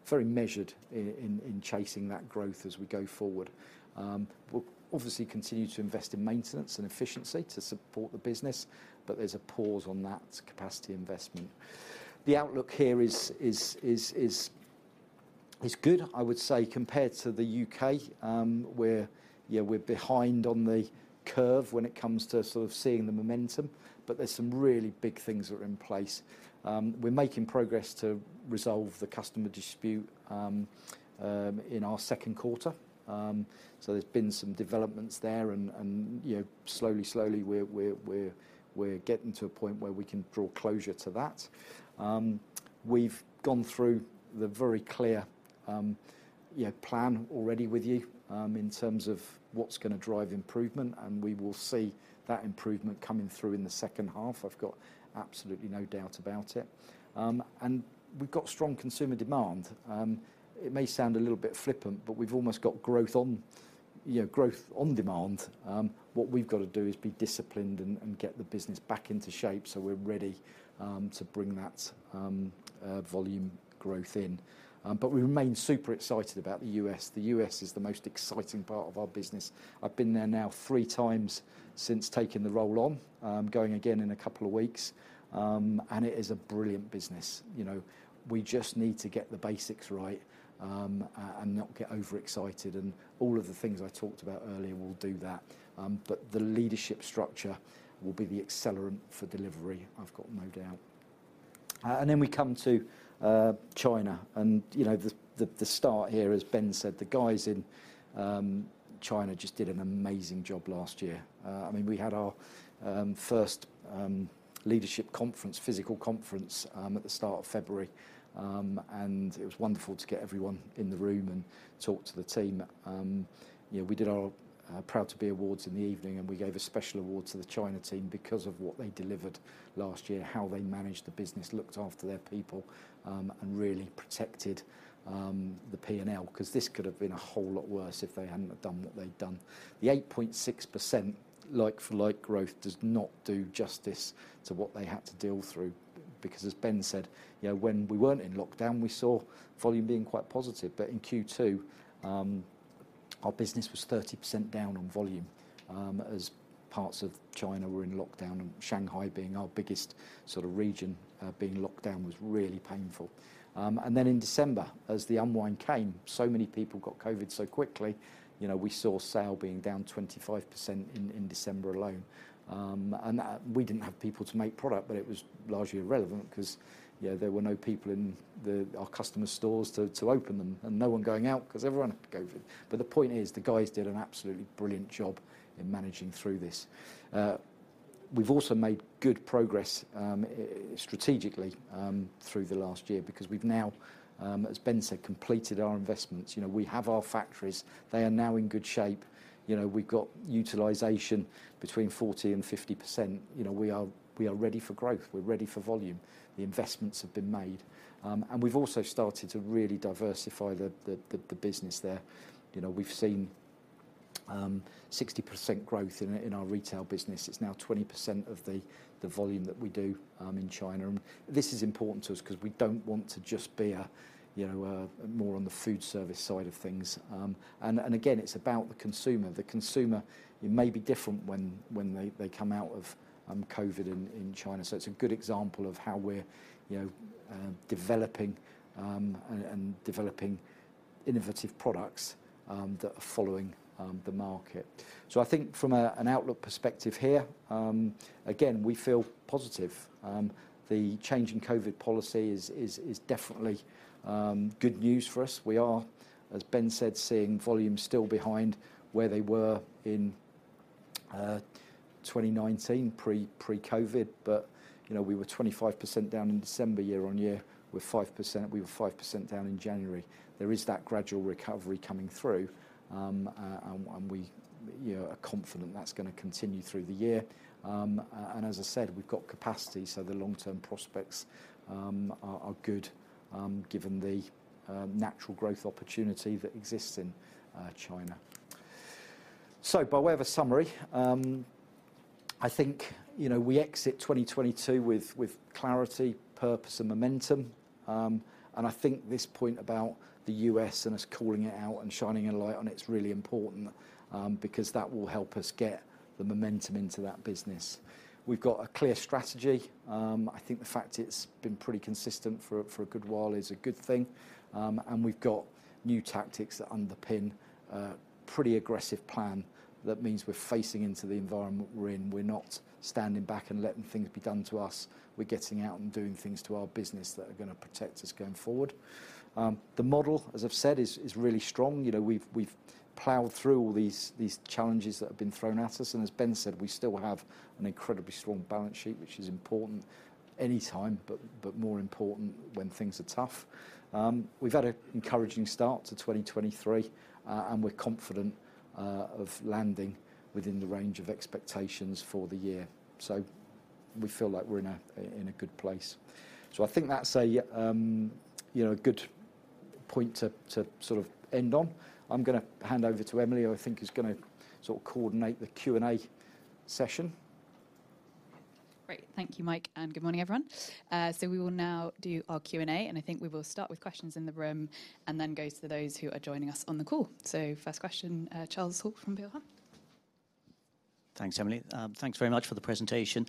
very measured in chasing that growth as we go forward. We'll obviously continue to invest in maintenance and efficiency to support the business, there's a pause on that capacity investment. The outlook here is good, I would say, compared to the U.K., where, you know, we're behind on the curve when it comes to sort of seeing the momentum, but there's some really big things that are in place. We're making progress to resolve the customer dispute in our second quarter. There's been some developments there and, you know, slowly, we're getting to a point where we can draw closure to that. We've gone through the very clear, you know, plan already with you, in terms of what's gonna drive improvement, and we will see that improvement coming through in the second half. I've got absolutely no doubt about it. We've got strong consumer demand. It may sound a little bit flippant, but we've almost got growth on, you know, growth on demand. What we've got to do is be disciplined and get the business back into shape, so we're ready to bring that volume growth in, but we remain super excited about the U.S. The U.S. is the most exciting part of our business. I've been there now three times since taking the role on. Going again in a couple of weeks and it is a brilliant business. You know, we just need to get the basics right and not get overexcited. All of the things I talked about earlier will do that, but the leadership structure will be the accelerant for delivery, I've got no doubt. We come to China and, you know, the, the start here, as Ben said, the guys in China just did an amazing job last year. I mean, we had our first leadership conference, physical conference, at the start of February. It was wonderful to get everyone in the room and talk to the team. You know, we did our Proud to Be Awards in the evening, and we gave a special award to the China team because of what they delivered last year, how they managed the business, looked after their people, and really protected the P&L 'cause this could have been a whole lot worse if they hadn't have done what they'd done. The 8.6% like-for-like growth does not do justice to what they had to deal through because as Ben said, you know, when we weren't in lockdown, we saw volume being quite positive. In Q2, our business was 30% down on volume, as parts of China were in lockdown, and Shanghai being our biggest sort of region, being locked down was really painful. In December, as the unwind came, so many people got COVID so quickly, you know, we saw sale being down 25% in December alone. We didn't have people to make product, but it was largely irrelevant 'cause, you know, there were no people in the, our customers' stores to open them and no one going out 'cause everyone had COVID. The point is, the guys did an absolutely brilliant job in managing through this. We've also made good progress strategically through the last year because we've now, as Ben said, completed our investments. You know, we have our factories. They are now in good shape. You know, we've got utilization between 40%-50%. You know, we are ready for growth. We're ready for volume. The investments have been made. We've also started to really diversify the business there. You know, we've seen 60% growth in our retail business. It's now 20% of the volume that we do in China. This is important to us 'cause we don't want to just be a, you know, a more on the food service side of things. Again, it's about the consumer. The consumer, it may be different when they come out of COVID in China. It's a good example of how we're, you know, developing and developing innovative products that are following the market. I think from an outlook perspective here, again, we feel positive. The change in COVID policy is definitely good news for us. We are, as Ben said, seeing volumes still behind where they were in 2019 pre-COVID. You know, we were 25% down in December year-on-year, we were 5% down in January. There is that gradual recovery coming through. We, you know, are confident that's gonna continue through the year. As I said, we've got capacity, the long-term prospects are good, given the natural growth opportunity that exists in China. By way of a summary, I think, you know, we exit 2022 with clarity, purpose and momentum. I think this point about the U.S. and us calling it out and shining a light on it is really important because that will help us get the momentum into that business. We've got a clear strategy. I think the fact it's been pretty consistent for a good while is a good thing. We've got new tactics that underpin a pretty aggressive plan. That means we're facing into the environment we're in. We're not standing back and letting things be done to us. We're getting out and doing things to our business that are gonna protect us going forward. The model, as I've said, is really strong. You know, we've plowed through all these challenges that have been thrown at us. As Ben said, we still have an incredibly strong balance sheet, which is important any time, but more important when things are tough. We've had a encouraging start to 2023, and we're confident of landing within the range of expectations for the year. We feel like we're in a good place. I think that's a, you know, a good point to sort of end on. I'm gonna hand over to Emily, who I think is gonna sort of coordinate the Q&A session. Great. Thank you, Mike, and good morning, everyone. We will now do our Q&A, and I think we will start with questions in the room and then go to those who are joining us on the call. First question, Charles Hall from Peel Hunt. Thanks, Emily. Thanks very much for the presentation.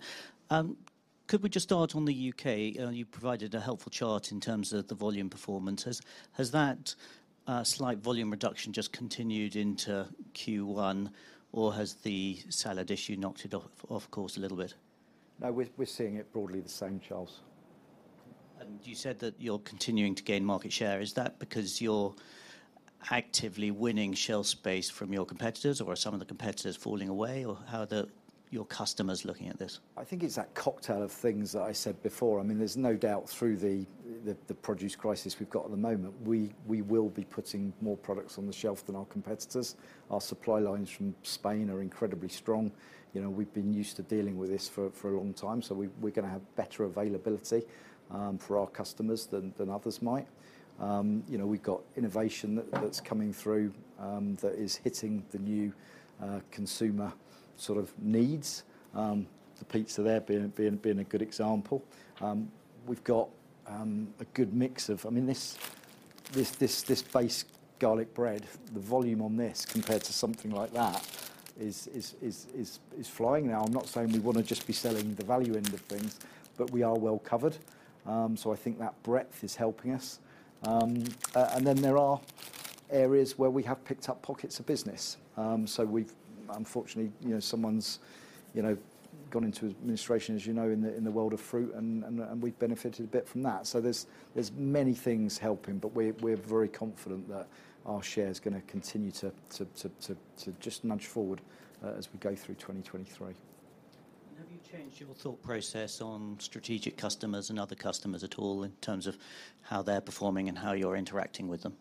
Could we just start on the U.K.? You provided a helpful chart in terms of the volume performance. Has that slight volume reduction just continued into Q1, or has the salad issue knocked it off course a little bit? No, we're seeing it broadly the same, Charles. You said that you're continuing to gain market share. Is that because you're actively winning shelf space from your competitors, or are some of the competitors falling away, or how are your customers looking at this? I think it's that cocktail of things that I said before. I mean, there's no doubt through the produce crisis we've got at the moment, we will be putting more products on the shelf than our competitors. Our supply lines from Spain are incredibly strong. You know, we've been used to dealing with this for a long time, so we're gonna have better availability for our customers than others might. You know, we've got innovation that's coming through that is hitting the new consumer sort of needs, the pizza there being a good example. We've got a good mix of... I mean, this base garlic bread, the volume on this compared to something like that is flying now. I'm not saying we wanna just be selling the value end of things, but we are well covered. I think that breadth is helping us. Then there are areas where we have picked up pockets of business. Unfortunately, you know, someone's, you know, gone into administration, as you know, in the world of fruit and we've benefited a bit from that. There's many things helping, but we're very confident that our share is gonna continue to just nudge forward as we go through 2023. Have you changed your thought process on strategic customers and other customers at all in terms of how they're performing and how you're interacting with them?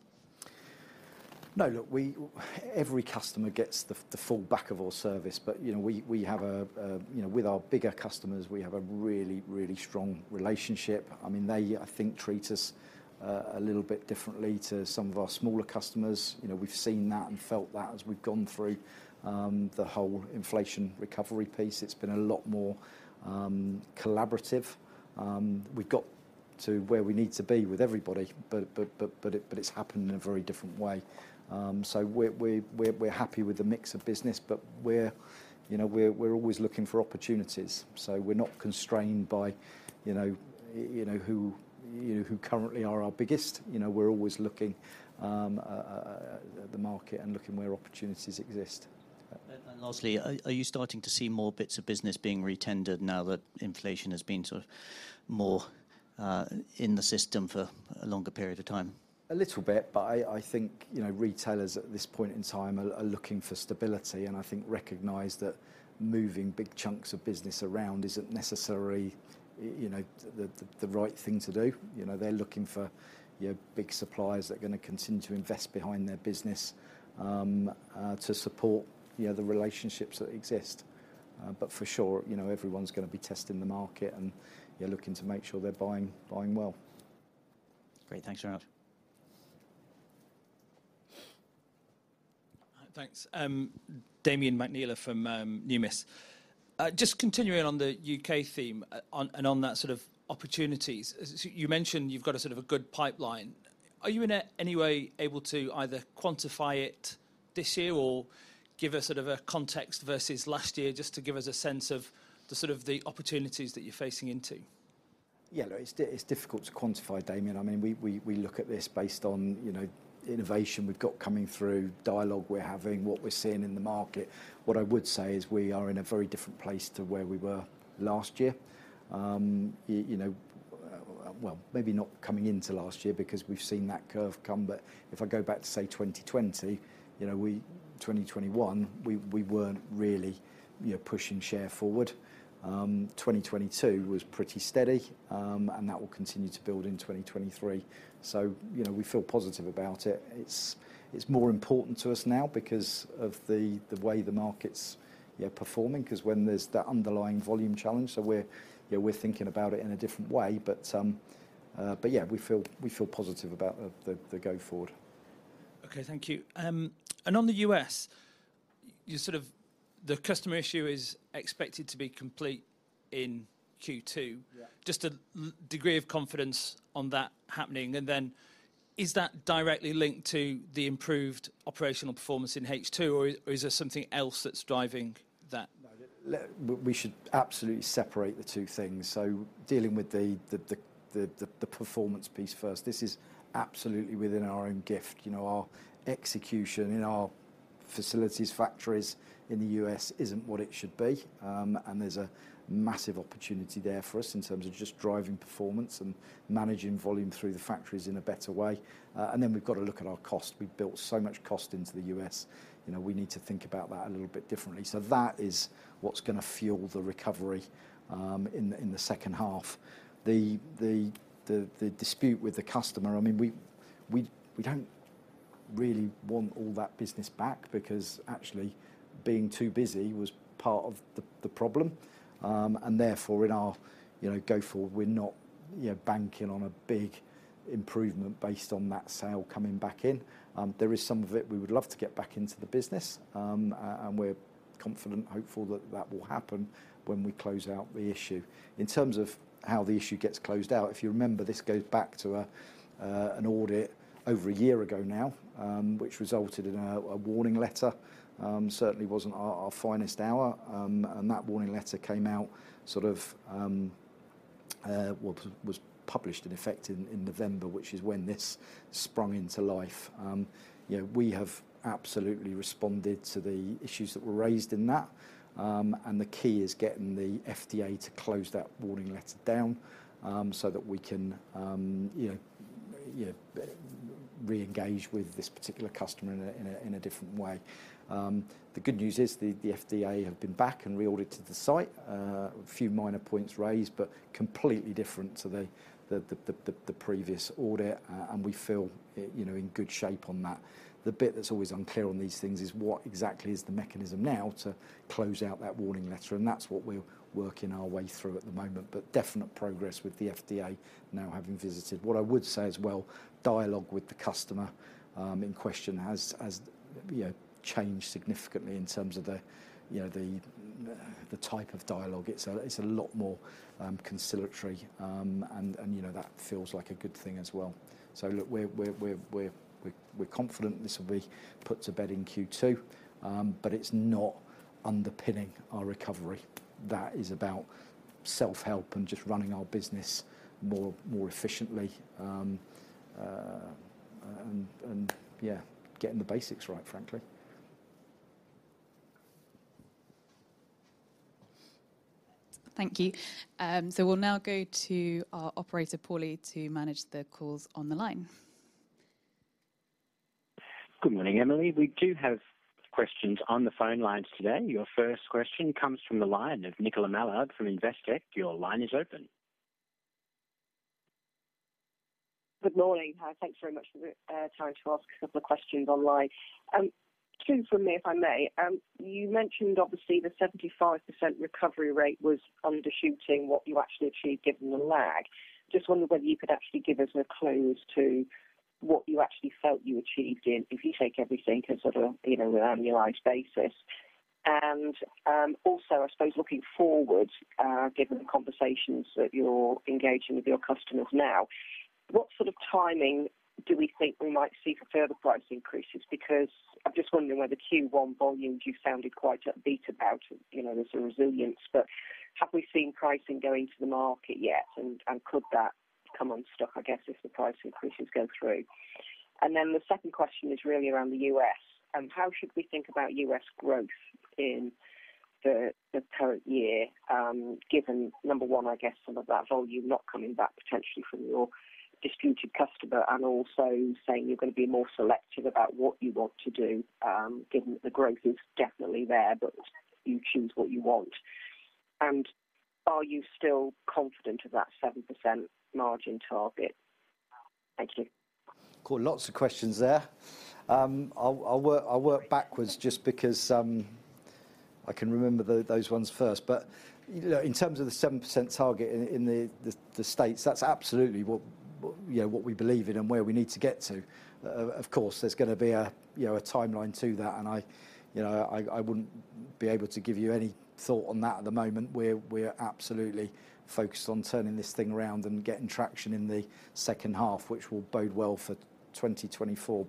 No. Look, every customer gets the full Bakkavor service. You know, we have a, you know, with our bigger customers, we have a really, really strong relationship. I mean, they, I think, treat us a little bit differently to some of our smaller customers. You know, we've seen that and felt that as we've gone through the whole inflation recovery piece. It's been a lot more collaborative. We've got to where we need to be with everybody, but it's happened in a very different way. We're happy with the mix of business, but we're, you know, we're always looking for opportunities. We're not constrained by, you know, you know who, you know who currently are our biggest. You know, we're always looking at the market and looking where opportunities exist. Lastly, are you starting to see more bits of business being retendered now that inflation has been sort of more in the system for a longer period of time? A little bit, but I think, you know, retailers at this point in time are looking for stability, and I think recognize that moving big chunks of business around isn't necessarily you know, the right thing to do. You know, they're looking for, you know, big suppliers that are gonna continue to invest behind their business to support, you know, the relationships that exist. For sure, you know, everyone's gonna be testing the market and, you know, looking to make sure they're buying well. Great. Thanks very much. Thanks. Damian McNeela from Numis. Just continuing on the U.K. theme, on, and on that sort of opportunities. As you mentioned, you've got a sort of a good pipeline. Are you in any way able to either quantify it this year or give us sort of a context versus last year just to give us a sense of the sort of the opportunities that you're facing into? Yeah, look, it's difficult to quantify, Damian. I mean, we look at this based on, you know, innovation we've got coming through, dialogue we're having, what we're seeing in the market. What I would say is we are in a very different place to where we were last year. You know, well, maybe not coming into last year because we've seen that curve come, but if I go back to, say, 2020, you know, 2021, we weren't really, you know, pushing share forward. 2022 was pretty steady, and that will continue to build in 2023. You know, we feel positive about it. It's more important to us now because of the way the market's, you know, performing 'cause when there's the underlying volume challenge. So we're, you know, we're thinking about it in a different way. Yeah, we feel positive about the go forward. Okay. Thank you. On the U.S., you sort of the customer issue is expected to be complete in Q2. Yeah. Just a degree of confidence on that happening, is that directly linked to the improved operational performance in H2, or is there something else that's driving that? No. We should absolutely separate the two things. Dealing with the performance piece first. This is absolutely within our own gift. You know, our execution in our facilities, factories in the U.S. isn't what it should be, and there's a massive opportunity there for us in terms of just driving performance and managing volume through the factories in a better way. Then we've got to look at our cost. We've built so much cost into the U.S. You know, we need to think about that a little bit differently. That is what's gonna fuel the recovery in the second half. The dispute with the customer, I mean, we don't really want all that business back because actually being too busy was part of the problem. Therefore, in our, you know, go forward, we're not, you know, banking on a big improvement based on that sale coming back in. There is some of it we would love to get back into the business, and we're confident, hopeful that that will happen when we close out the issue. In terms of how the issue gets closed out, if you remember, this goes back to an audit over a year ago now, which resulted in a warning letter. Certainly wasn't our finest hour. That warning letter came out sort of, well, was published in effect in November, which is when this sprung into life. You know, we have absolutely responded to the issues that were raised in that. The key is getting the FDA to close that warning letter down, so that we can, you know, reengage with this particular customer in a different way. The good news is the FDA have been back and reaudited the site. A few minor points raised, but completely different to the previous audit, and we feel, you know, in good shape on that. The bit that's always unclear on these things is what exactly is the mechanism now to close out that warning letter, and that's what we're working our way through at the moment. Definite progress with the FDA now having visited. What I would say as well, dialogue with the customer, in question has, you know, changed significantly in terms of the, you know, the type of dialogue. It's a lot more conciliatory, and, you know, that feels like a good thing as well. Look, we're confident this will be put to bed in Q2, but it's not underpinning our recovery. That is about self-help and just running our business more efficiently, and yeah, getting the basics right, frankly. Thank you. We'll now go to our operator, Paulie, to manage the calls on the line. Good morning, Emily. We do have questions on the phone lines today. Your first question comes from the line of Nicola Mallard from Investec. Your line is open. Good morning. Thanks very much for the time to ask a couple of questions on the line. Two from me, if I may. You mentioned obviously the 75% recovery rate was undershooting what you actually achieved given the lag. Just wondered whether you could actually give us a clue as to what you actually felt you achieved in if you take everything as sort of, you know, an annualized basis. Also, I suppose looking forward, given the conversations that you're engaging with your customers now, what sort of timing do we think we might see for further price increases? I'm just wondering whether Q1 volumes, you sounded quite upbeat about, you know, there's a resilience, but have we seen pricing go into the market yet? Could that come on stock, I guess, if the price increases go through? The second question is really around the U.S. How should we think about U.S. growth in the current year, given number one, I guess some of that volume not coming back potentially from your distributed customer and also saying you're gonna be more selective about what you want to do, given that the growth is definitely there, but you choose what you want? Are you still confident of that 7% margin target? Thank you. Got lots of questions there. I'll work backwards just because I can remember those ones first. you know, in terms of the 7% target in the States, that's absolutely what, you know, what we believe in and where we need to get to. Of course, there's gonna be a, you know, a timeline to that, and I, you know, I wouldn't be able to give you any thought on that at the moment. We're absolutely focused on turning this thing around and getting traction in the second half, which will bode well for 2024.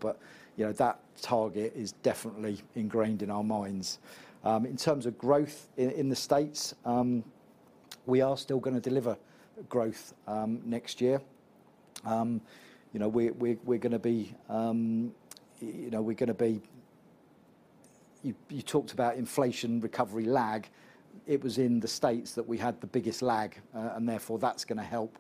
You know, that target is definitely ingrained in our minds. in terms of growth in the States, we are still gonna deliver growth next year. You know, we're gonna be, you know, we're gonna be- you talked about inflation recovery lag. It was in the States that we had the biggest lag, and therefore that's gonna help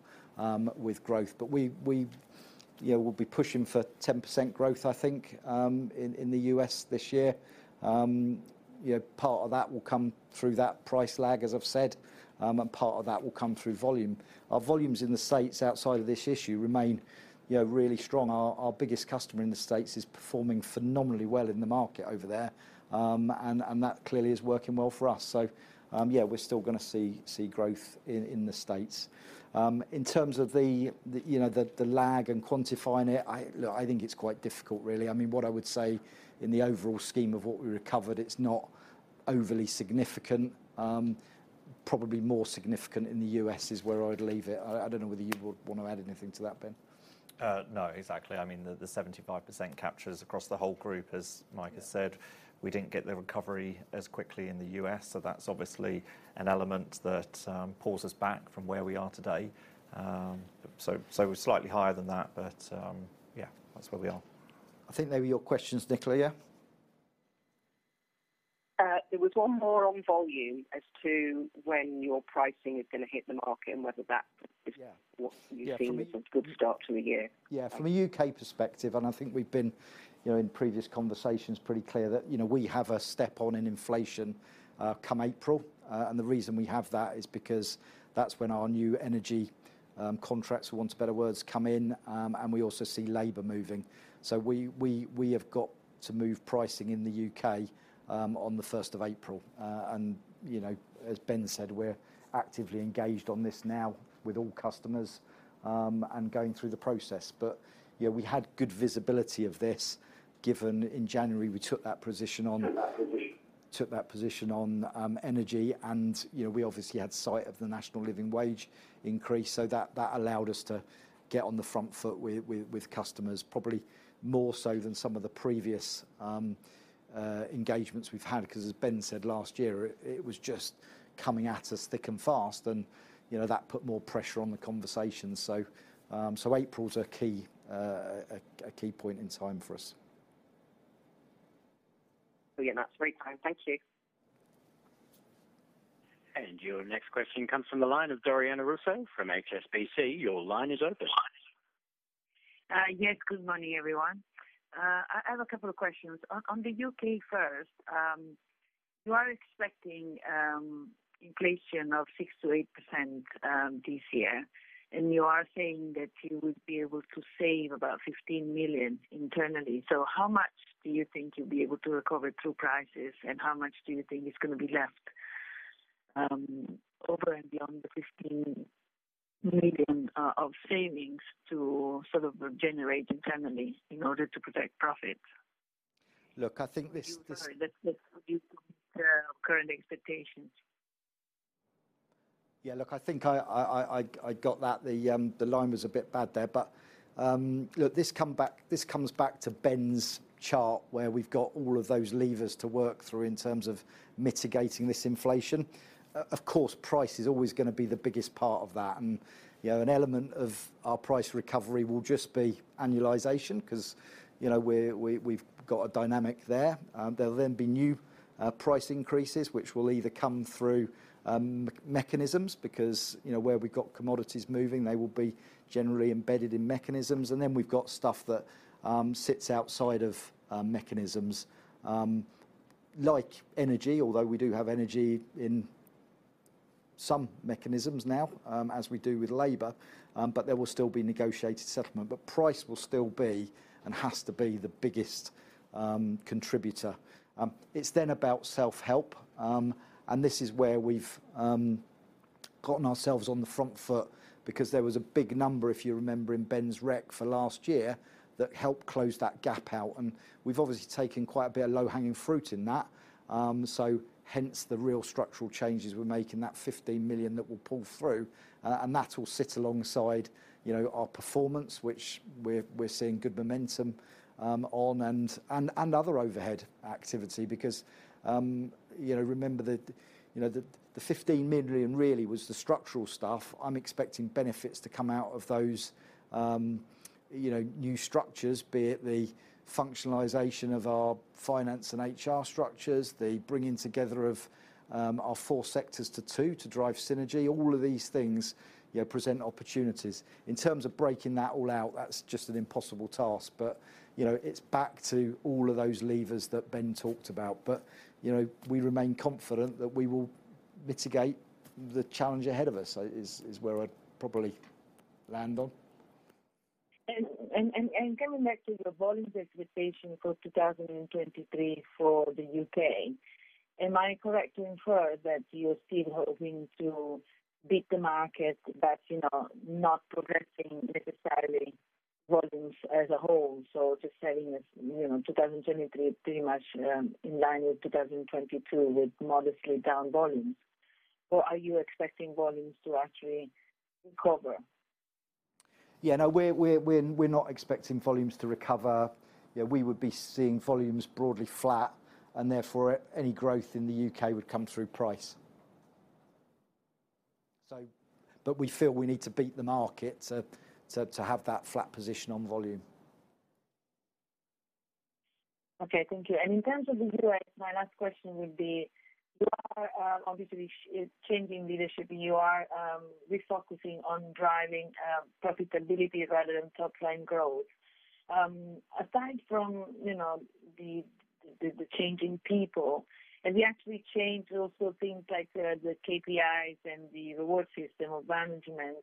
with growth. We, you know, we'll be pushing for 10% growth, I think, in the U.S. this year. You know, part of that will come through that price lag, as I've said, and part of that will come through volume. Our volumes in the States outside of this issue remain, you know, really strong. Our biggest customer in the States is performing phenomenally well in the market over there and that clearly is working well for us. Yeah, we're still gonna see growth in the States. In terms of the, you know, the lag and quantifying it, look, I think it's quite difficult, really. I mean, what I would say in the overall scheme of what we recovered, it's not overly significant. Probably more significant in the U.S. is where I'd leave it. I don't know whether you would wanna add anything to that, Ben. No, exactly. I mean, the 75% capture is across the whole group, as Mike has said. We didn't get the recovery as quickly in the U.S., that's obviously an element that pulls us back from where we are today. We're slightly higher than that, yeah, that's where we are. I think they were your questions, Nicola, yeah? There was one more on volume as to when your pricing is gonna hit the market and whether that is what you've seen as a good start to the year. Yeah, from a U.K. perspective, I think we've been, you know, in previous conversations, pretty clear that, you know, we have a step on in inflation, come April. The reason we have that is because that's when our new energy contracts, for want of better words, come in. We also see labor moving. We have got to move pricing in the U.K., on the first of April. You know, as Ben said, we're actively engaged on this now with all customers, going through the process. Yeah, we had good visibility of this, given in January, we took that position- took that position on energy, and, you know, we obviously had sight of the National Living Wage increase. That allowed us to get on the front foot with customers, probably more so than some of the previous engagements we've had, 'cause as Ben said, last year, it was just coming at us thick and fast and, you know, that put more pressure on the conversation. April's a key point in time for us. Again, that's very kind. Thank you. Your next question comes from the line of Doriana Russo from HSBC. Your line is open. Yes. Good morning, everyone. I have a couple of questions. On the U.K. first, you are expecting inflation of 6%-8% this year, you are saying that you would be able to save about 15 million internally. How much do you think you'll be able to recover through prices, and how much do you think is gonna be left over and beyond the 15 million of savings to sort of generate internally in order to protect profits? Look, I think this- Sorry. That's just due to the current expectations. Yeah. Look, I think I got that. The line was a bit bad there. Look, this comes back to Ben's chart, where we've got all of those levers to work through in terms of mitigating this inflation. Of course, price is always gonna be the biggest part of that. You know, an element of our price recovery will just be annualization 'cause, you know, we've got a dynamic there. There'll then be new price increases, which will either come through mechanisms because, you know, where we've got commodities moving, they will be generally embedded in mechanisms. Then we've got stuff that sits outside of mechanisms, like energy. Although we do have energy in some mechanisms now, as we do with labor, there will still be negotiated settlement. Price will still be, and has to be, the biggest contributor. It's then about self-help, and this is where we've gotten ourselves on the front foot because there was a big number, if you remember, in Ben's rec for last year, that helped close that gap out, and we've obviously taken quite a bit of low-hanging fruit in that. Hence the real structural changes we're making, that 15 million that will pull through. That will sit alongside, you know, our performance, which we're seeing good momentum on and other overhead activity because, you know, remember the 15 million really was the structural stuff. I'm expecting benefits to come out of those, you know, new structures, be it the functionalization of our finance and HR structures, the bringing together of our four sectors to two to drive synergy. All of these things, you know, present opportunities. In terms of breaking that all out, that's just an impossible task. You know, it's back to all of those levers that Ben talked about. You know, we remain confident that we will mitigate the challenge ahead of us, is where I'd probably land on. Going back to your volumes expectation for 2023 for the U.K., am I correct to infer that you're still hoping to beat the market, but, you know, not progressing necessarily volumes as a whole? Just telling us, you know, 2023 pretty much, in line with 2022 with modestly down volumes. Are you expecting volumes to actually recover? Yeah, no, we're not expecting volumes to recover. Yeah, we would be seeing volumes broadly flat, therefore any growth in the U.K. would come through price. We feel we need to beat the market to have that flat position on volume. Okay. Thank you. In terms of the U.S., my last question would be, you are obviously changing leadership, and you are refocusing on driving profitability rather than top-line growth. Aside from, you know, the changing people, have you actually changed also things like the KPIs and the reward system of management?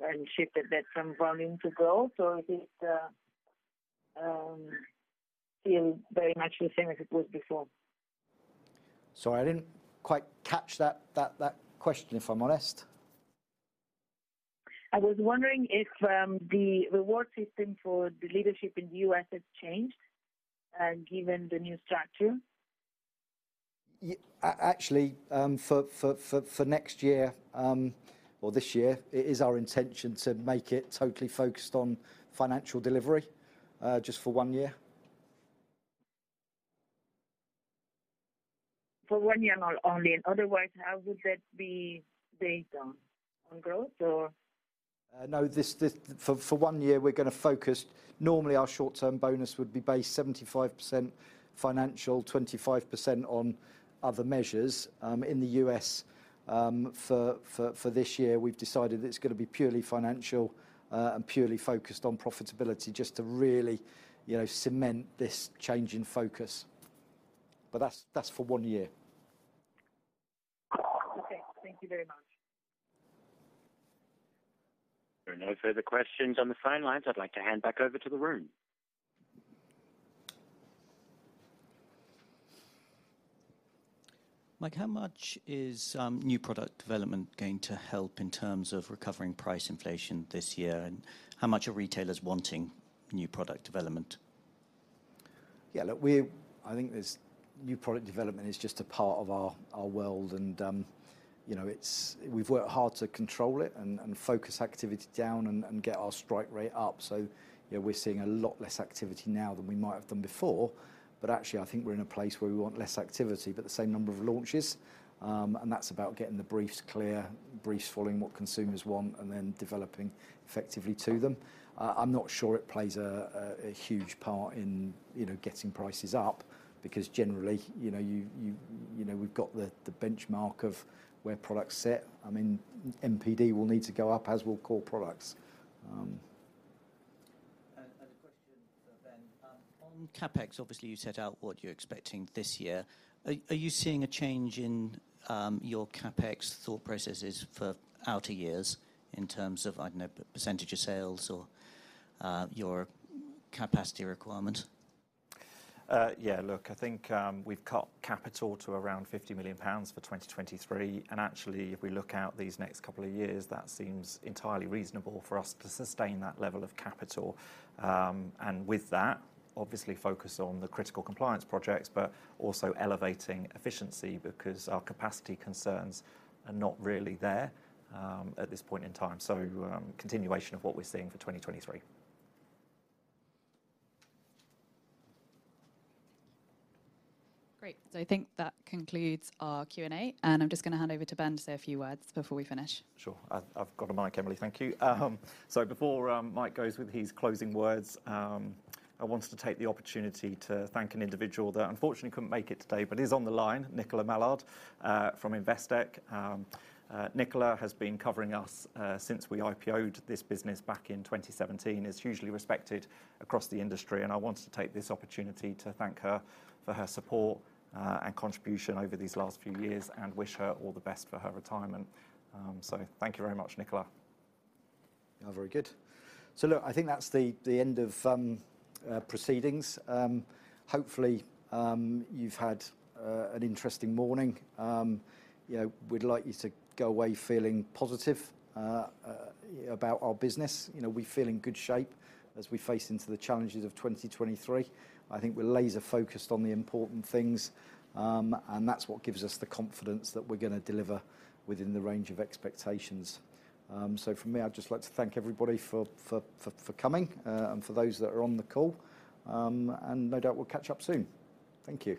Are you shifted that from volume to growth, or is it still very much the same as it was before? Sorry, I didn't quite catch that question, if I'm honest. I was wondering if the reward system for the leadership in the U.S. has changed, given the new structure? Actually, for next year, or this year, it is our intention to make it totally focused on financial delivery, just for one year. For one year only. Otherwise, how would that be based on growth or? No, for one year, we're gonna focus. Normally, our short-term bonus would be based 75% financial, 25% on other measures. In the U.S., for this year, we've decided it's gonna be purely financial and purely focused on profitability just to really, you know, cement this change in focus. That's for one year. Okay. Thank you very much. There are no further questions on the phone lines. I'd like to hand back over to the room. Mike, how much is new product development going to help in terms of recovering price inflation this year? How much are retailers wanting new product development? Look, I think this new product development is just a part of our world and, you know, it's. We've worked hard to control it and focus activity down and get our strike rate up. You know, we're seeing a lot less activity now than we might have done before. Actually, I think we're in a place where we want less activity, but the same number of launches. That's about getting the briefs clear, briefs following what consumers want, and then developing effectively to them. I'm not sure it plays a huge part in, you know, getting prices up because generally, you know, we've got the benchmark of where products sit. I mean, NPD will need to go up, as will core products. On CapEx, obviously, you set out what you're expecting this year. Are you seeing a change in your CapEx thought processes for outer years in terms of, I don't know, percentage of sales or your capacity requirement? Yeah. Look, I think, we've cut CapEx to around 50 million pounds for 2023. If we look out these next couple of years, that seems entirely reasonable for us to sustain that level of capital and with that obviously focus on the critical compliance projects, but also elevating efficiency because our capacity concerns are not really there at this point in time. Continuation of what we're seeing for 2023. Great. I think that concludes our Q&A, and I'm just gonna hand over to Ben to say a few words before we finish. Sure. I've got a mic, Emily. Thank you. Before Mike goes with his closing words, I wanted to take the opportunity to thank an individual that unfortunately couldn't make it today, but is on the line, Nicola Mallard, from Investec. Nicola has been covering us since we IPO'd this business back in 2017, is hugely respected across the industry, I wanted to take this opportunity to thank her for her support and contribution over these last few years and wish her all the best for her retirement. Thank you very much, Nicola. Oh, very good. Look, I think that's the end of, proceedings. Hopefully, you've had an interesting morning. You know, we'd like you to go away feeling positive, about our business. You know, we feel in good shape as we face into the challenges of 2023. I think we're laser focused on the important things, and that's what gives us the confidence that we're gonna deliver within the range of expectations. For me, I'd just like to thank everybody for coming, and for those that are on the call. No doubt we'll catch up soon. Thank you.